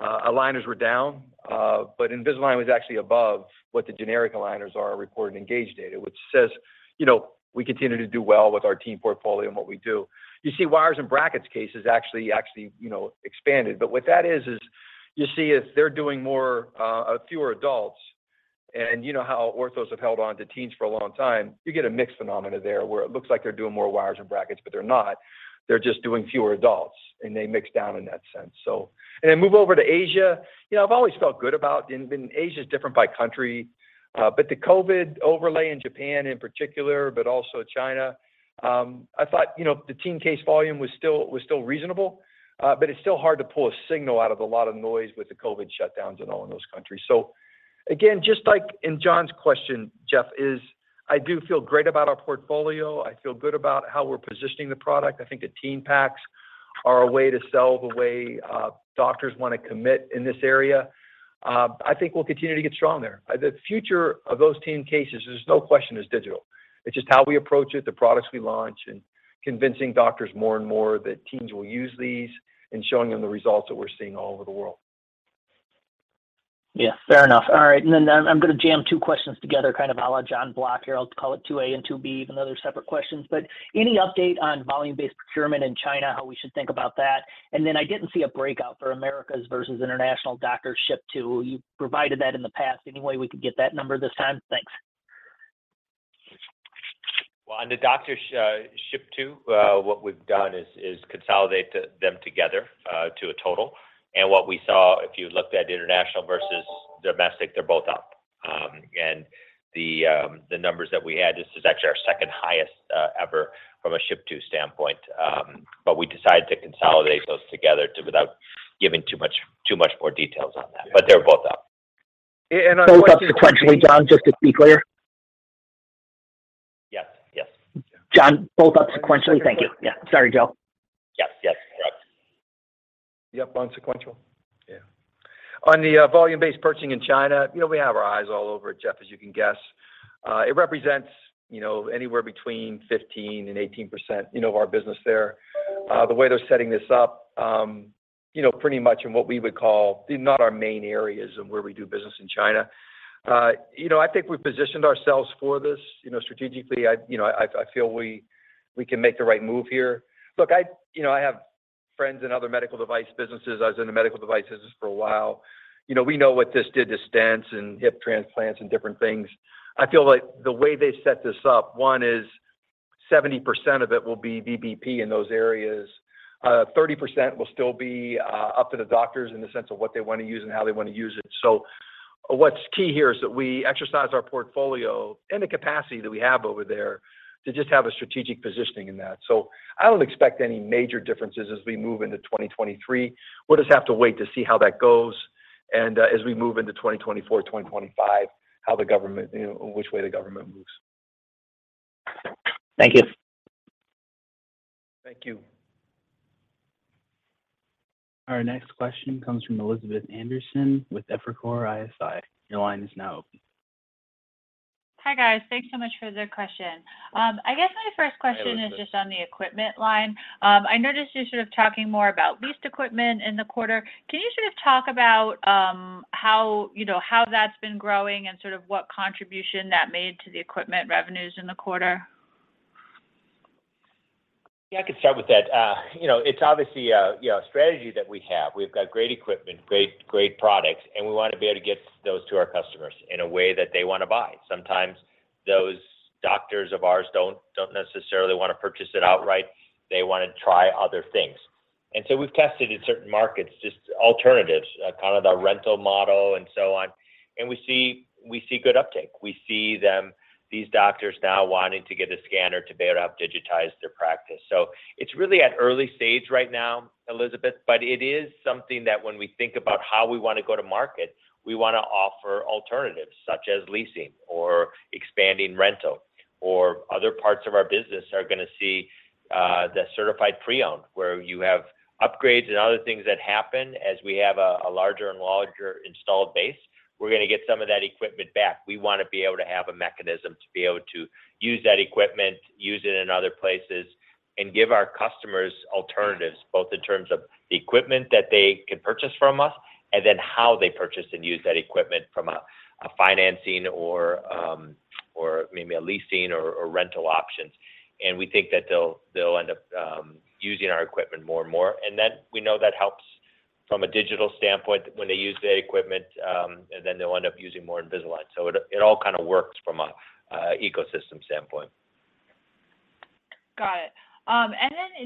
aligners were down, but Invisalign was actually above what the generic aligners are reported in Gaidge data, which says, you know, we continue to do well with our teen portfolio and what we do. You see wires and brackets cases actually, you know, expanded. What that is is you see they're doing fewer adults, and you know how orthos have held on to teens for a long time. You get a mixed phenomena there where it looks like they're doing more wires and brackets, but they're not. They're just doing fewer adults, and they mix down in that sense. Move over to Asia. You know, I've always felt good about Asia is different by country, but the COVID overlay in Japan in particular, but also China, I thought, you know, the teen case volume was still reasonable, but it's still hard to pull a signal out of a lot of noise with the COVID shutdowns and all in those countries. Again, just like in John's question, Jeff, yes I do feel great about our portfolio. I feel good about how we're positioning the product. I think the teen packs are a way to sell the way doctors wanna commit in this area. I think we'll continue to get strong there. The future of those teen cases, there's no question it is digital. It's just how we approach it, the products we launch, and convincing doctors more and more that teens will use these, and showing them the results that we're seeing all over the world. Yeah. Fair enough. All right. I'm gonna jam two questions together, kind of à la Jonathan Block here. I'll call it two A and two B, even though they're separate questions. Any update on volume-based procurement in China, how we should think about that? I didn't see a breakout for Americas versus international doctor shipments. You provided that in the past. Any way we could get that number this time? Thanks. Well, on the doctor ship to, what we've done is consolidate them together to a total. What we saw, if you looked at international versus domestic, they're both up. The numbers that we had, this is actually our second highest ever from a ship to standpoint. We decided to consolidate those together without giving too much more details on that. They're both up. And, and I- Both up sequentially, John, just to be clear? Yes. Yes. John, both up sequentially. Thank you. Yeah. Sorry, Joe. Yes. Yes. Correct. Yep, on sequential. Yeah. On the volume-based purchasing in China, you know, we have our eyes all over it, Jeff, as you can guess. It represents, you know, anywhere between 15% and 18%, you know, of our business there. The way they're setting this up, you know, pretty much in what we would call not our main areas of where we do business in China. You know, I think we've positioned ourselves for this, you know, strategically. I feel we can make the right move here. Look, you know, I have friends in other medical device businesses. I was in the medical device business for a while. You know, we know what this did to stents and hip transplants and different things. I feel like the way they set this up, one is 70% of it will be VBP in those areas.30% will still be up to the doctors in the sense of what they wanna use and how they wanna use it. What's key here is that we exercise our portfolio and the capacity that we have over there to just have a strategic positioning in that. I don't expect any major differences as we move into 2023. We'll just have to wait to see how that goes and as we move into 2024, 2025, how the government, you know, which way the government moves. Thank you. Thank you. Our next question comes from Elizabeth Anderson with Evercore ISI. Your line is now open. Hi, guys. Thanks so much for the question. I guess my first question. Hi, Elizabeth. is just on the equipment line. I noticed you're sort of talking more about leased equipment in the quarter. Can you sort of talk about, how, you know, how that's been growing and sort of what contribution that made to the equipment revenues in the quarter? Yeah, I could start with that. You know, it's obviously a strategy that we have. We've got great equipment, great products, and we wanna be able to get those to our customers in a way that they wanna buy. Sometimes those doctors of ours don't necessarily wanna purchase it outright. They wanna try other things. We've tested in certain markets just alternatives, kind of the rental model and so on. We see good uptake. We see them, these doctors now wanting to get a scanner to be able to help digitize their practice. It's really at early stage right now, Elizabeth, but it is something that when we think about how we wanna go to market, we wanna offer alternatives such as leasing or expanding rental, or other parts of our business are gonna see the certified pre-owned, where you have upgrades and other things that happen as we have a larger and larger installed base. We're gonna get some of that equipment back. We wanna be able to have a mechanism to be able to use that equipment, use it in other places, and give our customers alternatives, both in terms of the equipment that they can purchase from us and then how they purchase and use that equipment from a financing or maybe a leasing or rental options. We think that they'll end up using our equipment more and more. We know that helps from a digital standpoint when they use that equipment, and then they'll end up using more Invisalign. It all kinda works from a ecosystem standpoint. Got it.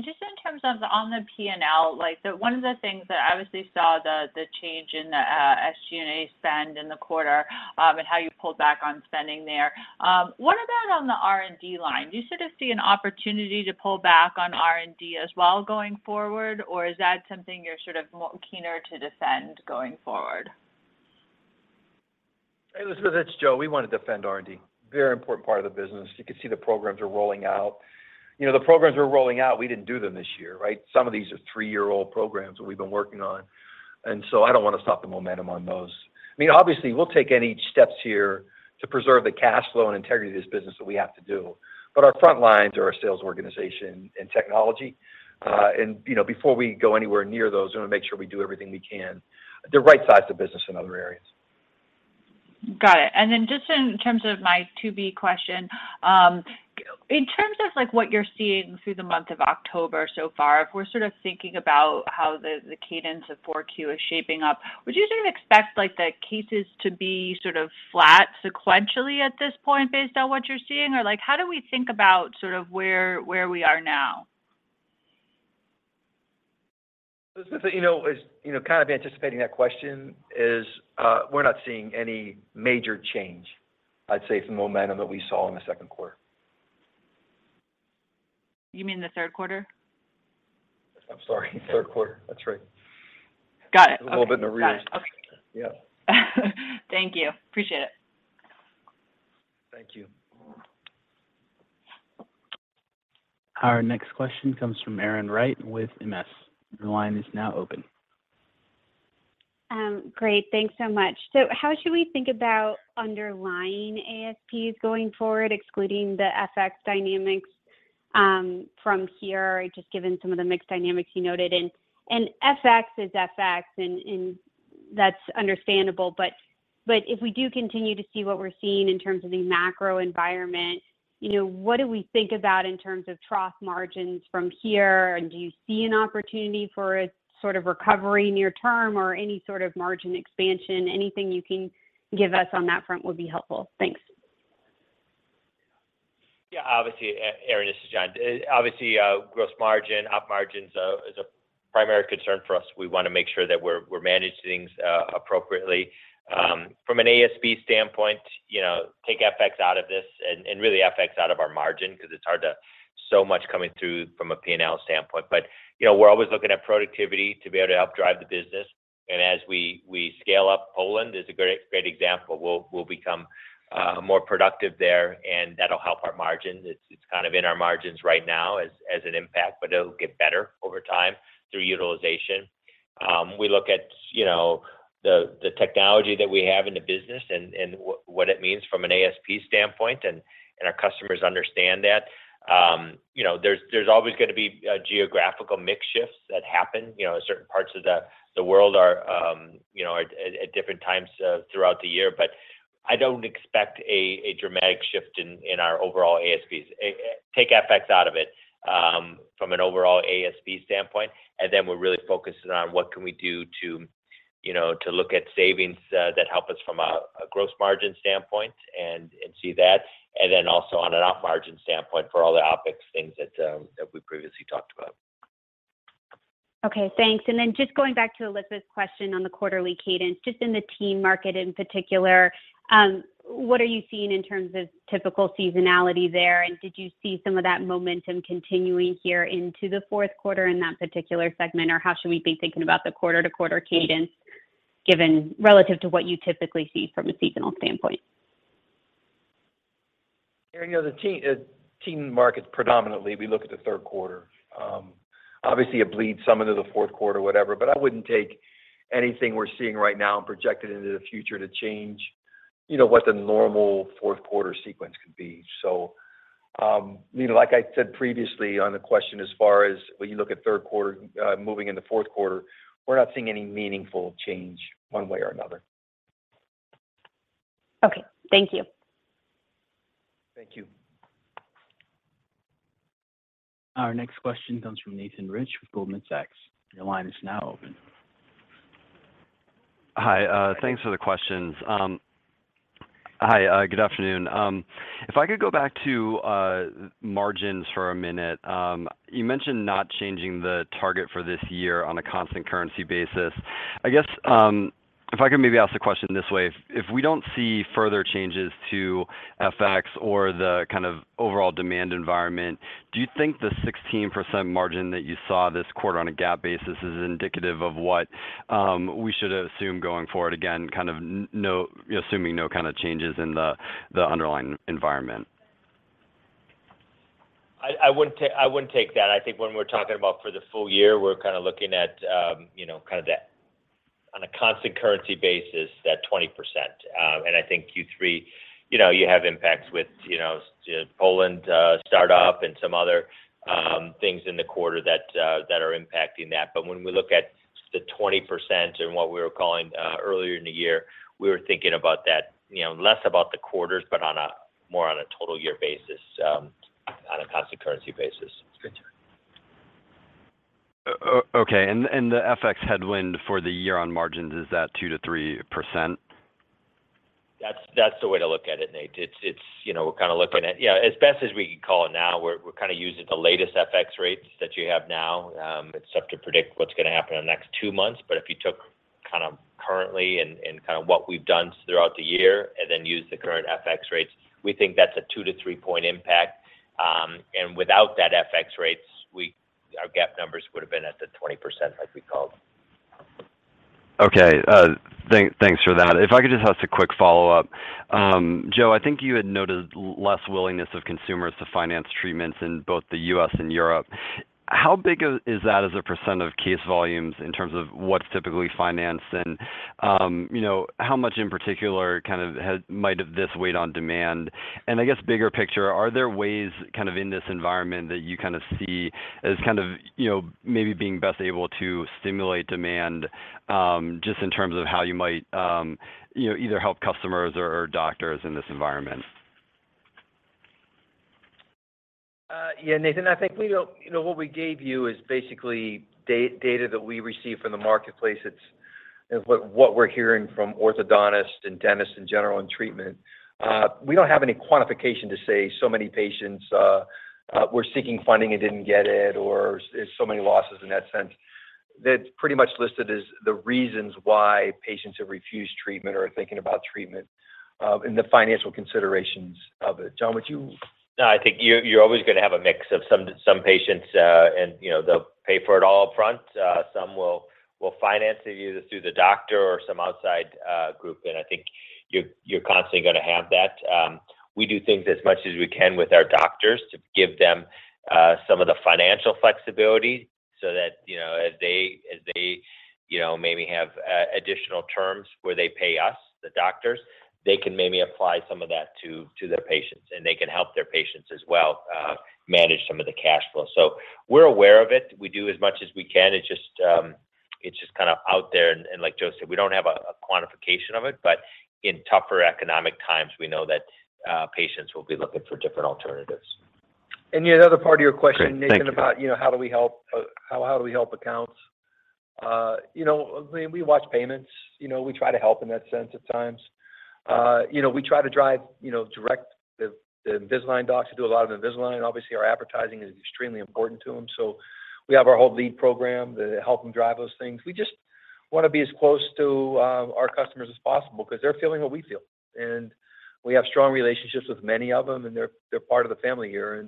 Just in terms of on the P&L, like, the one of the things that I obviously saw the change in the SG&A spend in the quarter, and how you pulled back on spending there. What about on the R&D line? Do you sort of see an opportunity to pull back on R&D as well going forward, or is that something you're sort of more keener to defend going forward? Hey, Elizabeth, it's Joe. We wanna defend R&D. Very important part of the business. You can see the programs are rolling out. You know, the programs we're rolling out, we didn't do them this year, right? Some of these are three-year-old programs that we've been working on, and so I don't wanna stop the momentum on those. I mean, obviously, we'll take any steps here to preserve the cash flow and integrity of this business that we have to do. Our front lines are our sales organization and technology. You know, before we go anywhere near those, we wanna make sure we do everything we can to right-size the business in other areas. Got it. Just in terms of my Q2 question, in terms of, like, what you're seeing through the month of October so far, if we're sort of thinking about how the cadence of 4Q is shaping up, would you sort of expect, like, the cases to be sort of flat sequentially at this point based on what you're seeing? Or, like, how do we think about sort of where we are now? Elizabeth, you know, as you know, kind of anticipating that question, we're not seeing any major change, I'd say, from the momentum that we saw in the Q1. You mean the Q3? I'm sorry. Q3, that's right. Got it. Okay. A little bit in the rear. Got it. Okay. Yeah. Thank you. Appreciate it. Thank you. Our next question comes from Erin Wright with MS. Your line is now open. Great. Thanks so much. How should we think about underlying ASPs going forward, excluding the FX dynamics, from here, just given some of the mix dynamics you noted? FX is FX, and that's understandable. If we do continue to see what we're seeing in terms of the macro environment, you know, what do we think about in terms of trough margins from here? Do you see an opportunity for a sort of recovery near term or any sort of margin expansion? Anything you can give us on that front would be helpful. Thanks. Yeah. Obviously, Erin, this is John. Obviously, gross margin, op margins, is a primary concern for us. We wanna make sure that we manage things appropriately. From an ASP standpoint, you know, take FX out of this and really FX out of our margin 'cause so much coming through from a P&L standpoint. You know, we're always looking at productivity to be able to help drive the business. As we scale up, Poland is a great example. We'll become more productive there, and that'll help our margin. It's kind of in our margins right now as an impact, but it'll get better over time through utilization. We look at, you know, the technology that we have in the business and what it means from an ASP standpoint, and our customers understand that. You know, there's always gonna be geographical mix shifts that happen. You know, certain parts of the world are, you know, at different times throughout the year. I don't expect a dramatic shift in our overall ASPs. Take FX out of it from an overall ASP standpoint, and then we're really focusing on what can we do to, you know, to look at savings that help us from a gross margin standpoint and see that, and then also on an Op margin standpoint for all the OpEx things that we previously talked about. Okay, thanks. Just going back to Elizabeth's question on the quarterly cadence, just in the teen market in particular, what are you seeing in terms of typical seasonality there? Did you see some of that momentum continuing here into the Q4 in that particular segment? How should we be thinking about the quarter to quarter cadence given relative to what you typically see from a seasonal standpoint? Yeah, you know, the teen market predominantly, we look at the Q3. Obviously it bleeds some into the Q4, whatever, but I wouldn't take anything we're seeing right now and project it into the future to change, you know, what the normal Q4 sequence could be. You know, like I said previously on the question as far as when you look at Q3 moving into Q4, we're not seeing any meaningful change one way or another. Okay. Thank you. Thank you. Our next question comes from Nathan Rich with Goldman Sachs. Your line is now open. Hi, thanks for the questions. Hi, good afternoon. If I could go back to margins for a minute. You mentioned not changing the target for this year on a constant currency basis. I guess, if I could maybe ask the question this way, if we don't see further changes to FX or the kind of overall demand environment, do you think the 16% margin that you saw this quarter on a GAAP basis is indicative of what we should assume going forward again, assuming no kind of changes in the underlying environment? I wouldn't take that. I think when we're talking about for the full year, we're kind of looking at, you know, kind of that on a constant currency basis, that 20%. I think Q3, you know, you have impacts with, you know, Poland startup and some other things in the quarter that are impacting that. When we look at the 20% and what we were calling earlier in the year, we were thinking about that, you know, less about the quarters, but more on a total year basis, on a constant currency basis. Okay. The FX headwind for the year on margins, is that 2%-3%? That's the way to look at it, Nate. It's you know, we're kind of looking at, yeah, as best as we could call it now, we're kind of using the latest FX rates that you have now. It's tough to predict what's gonna happen in the next two months. If you took kind of currently and kind of what we've done throughout the year and then used the current FX rates, we think that's a 2-3 point impact. Without that FX rates, our GAAP numbers would've been at the 20% like we called. Okay. Thanks for that. If I could just ask a quick follow-up. Joe, I think you had noted less willingness of consumers to finance treatments in both the U.S. and Europe. How big is that as a % of case volumes in terms of what's typically financed? And, you know, how much in particular kind of might have this weighed on demand? And I guess bigger picture, are there ways kind of in this environment that you kind of see as kind of, you know, maybe being best able to stimulate demand, just in terms of how you might, you know, either help customers or doctors in this environment? Yeah, Nathan, I think we don't, what we gave you is basically data that we received from the marketplace. It's what we're hearing from orthodontists and dentists in general in treatment. We don't have any quantification to say so many patients were seeking funding and didn't get it, or so many losses in that sense. That's pretty much listed as the reasons why patients have refused treatment or are thinking about treatment, and the financial considerations of it. John, would you- No, I think you're always gonna have a mix of some patients, and you know, they'll pay for it all upfront. Some will finance it either through the doctor or some outside group. I think you're constantly gonna have that. We do things as much as we can with our doctors to give them some of the financial flexibility so that, you know, as they, you know, maybe have additional terms where they pay us, the doctors, they can maybe apply some of that to their patients, and they can help their patients as well, manage some of the cash flow. We're aware of it. We do as much as we can. It's just kind of out there, and like Joe said, we don't have a quantification of it, but in tougher economic times, we know that patients will be looking for different alternatives. The other part of your question. Great. Thanks, Joe. Nathan, about you know how do we help accounts? You know, we watch payments. You know, we try to help in that sense at times. You know, we try to drive you know direct the Invisalign docs who do a lot of Invisalign. Obviously, our advertising is extremely important to them. We have our whole lead program to help them drive those things. We just wanna be as close to our customers as possible because they're feeling what we feel, and we have strong relationships with many of them, and they're part of the family here.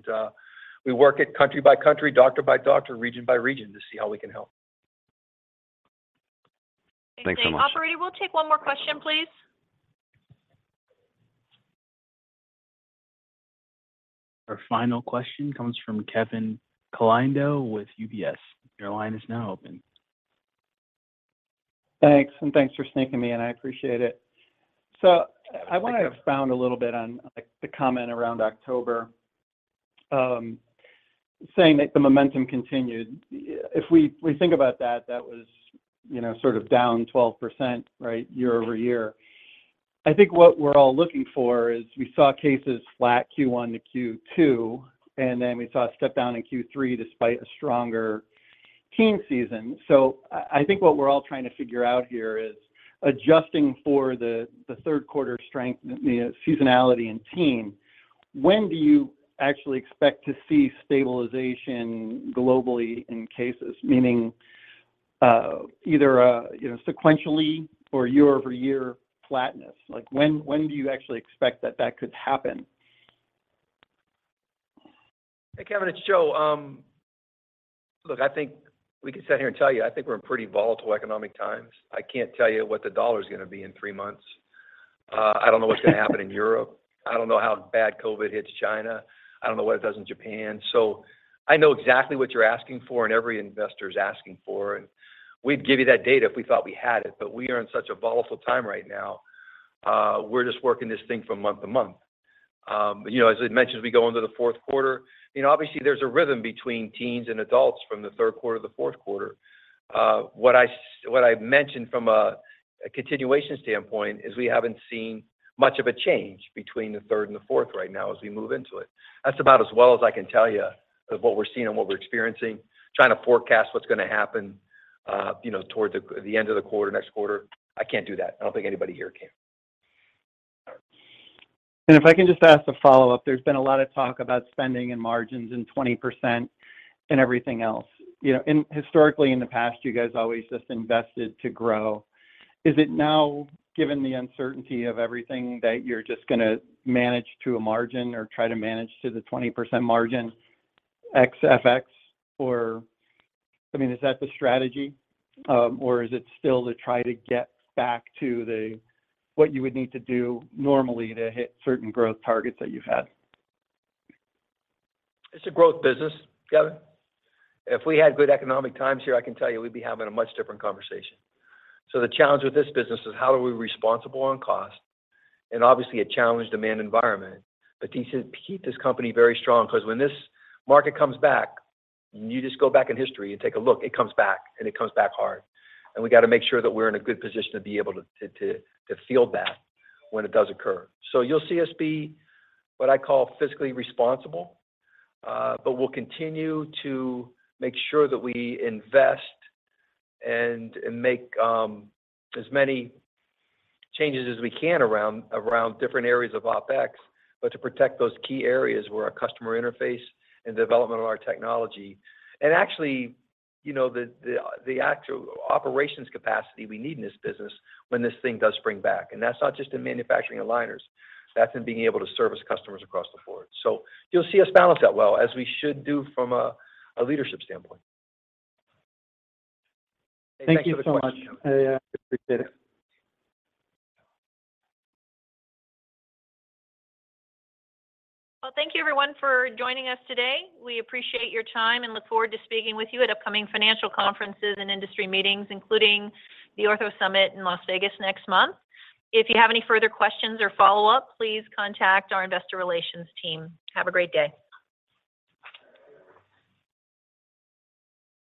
We work at country by country, doctor by doctor, region by region to see how we can help. Thanks so much. Operator, we'll take one more question, please. Our final question comes from Kevin Caliendo with UBS. Your line is now open. Thanks, and thanks for sneaking me in. I appreciate it. I want to expound a little bit on, like, the comment around October, saying that the momentum continued. If we think about that was, you know, sort of down 12%, right, year-over-year. I think what we're all looking for is we saw cases flat Q1 to Q2, and then we saw a step down in Q3 despite a stronger teen season. I think what we're all trying to figure out here is adjusting for the Q3 strength, the seasonality in teen, when do you actually expect to see stabilization globally in cases? Meaning, either, you know, sequentially or year-over-year flatness. Like when do you actually expect that that could happen? Hey Kevin, it's Joe. Look, I think we could sit here and tell you, I think we're in pretty volatile economic times. I can't tell you what the US dollar's gonna be in three months. I don't know what's gonna happen in Europe. I don't know how bad COVID hits China. I don't know what it does in Japan. I know exactly what you're asking for and every investor is asking for, and we'd give you that data if we thought we had it. We are in such a volatile time right now, we're just working this thing from month to month. You know, as I mentioned, we go into the Q4, you know, obviously there's a rhythm between teens and adults from the Q3 to the Q4. What I've mentioned from a continuation standpoint is we haven't seen much of a change between the third and the fourth right now as we move into it. That's about as well as I can tell you of what we're seeing and what we're experiencing. Trying to forecast what's gonna happen, you know, towards the end of the quarter, next quarter, I can't do that. I don't think anybody here can. If I can just ask a follow-up. There's been a lot of talk about spending and margins and 20% and everything else. You know, and historically in the past, you guys always just invested to grow. Is it now, given the uncertainty of everything, that you're just gonna manage to a margin or try to manage to the 20% margin ex FX or, I mean, is that the strategy? Or is it still to try to get back to the, what you would need to do normally to hit certain growth targets that you've had? It's a growth business, Kevin. If we had good economic times here, I can tell you we'd be having a much different conversation. The challenge with this business is how are we responsible on cost, and obviously a challenged demand environment, but to keep this company very strong. 'Cause when this market comes back, you just go back in history and take a look. It comes back, and it comes back hard, and we gotta make sure that we're in a good position to be able to to field that when it does occur. You'll see us be what I call fiscally responsible. We'll continue to make sure that we invest and make as many changes as we can around different areas of OpEx, but to protect those key areas where our customer interface and development of our technology. Actually, you know, the actual operations capacity we need in this business when this thing does spring back. That's not just in manufacturing and aligners, that's in being able to service customers across the board. You'll see us balance that well, as we should do from a leadership standpoint. Thank you so much. Thanks for the question. I appreciate it. Well, thank you everyone for joining us today. We appreciate your time and look forward to speaking with you at upcoming financial conferences and industry meetings, including the Ortho Summit in Las Vegas next month. If you have any further questions or follow-up, please contact our investor relations team. Have a great day.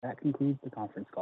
That concludes the conference call.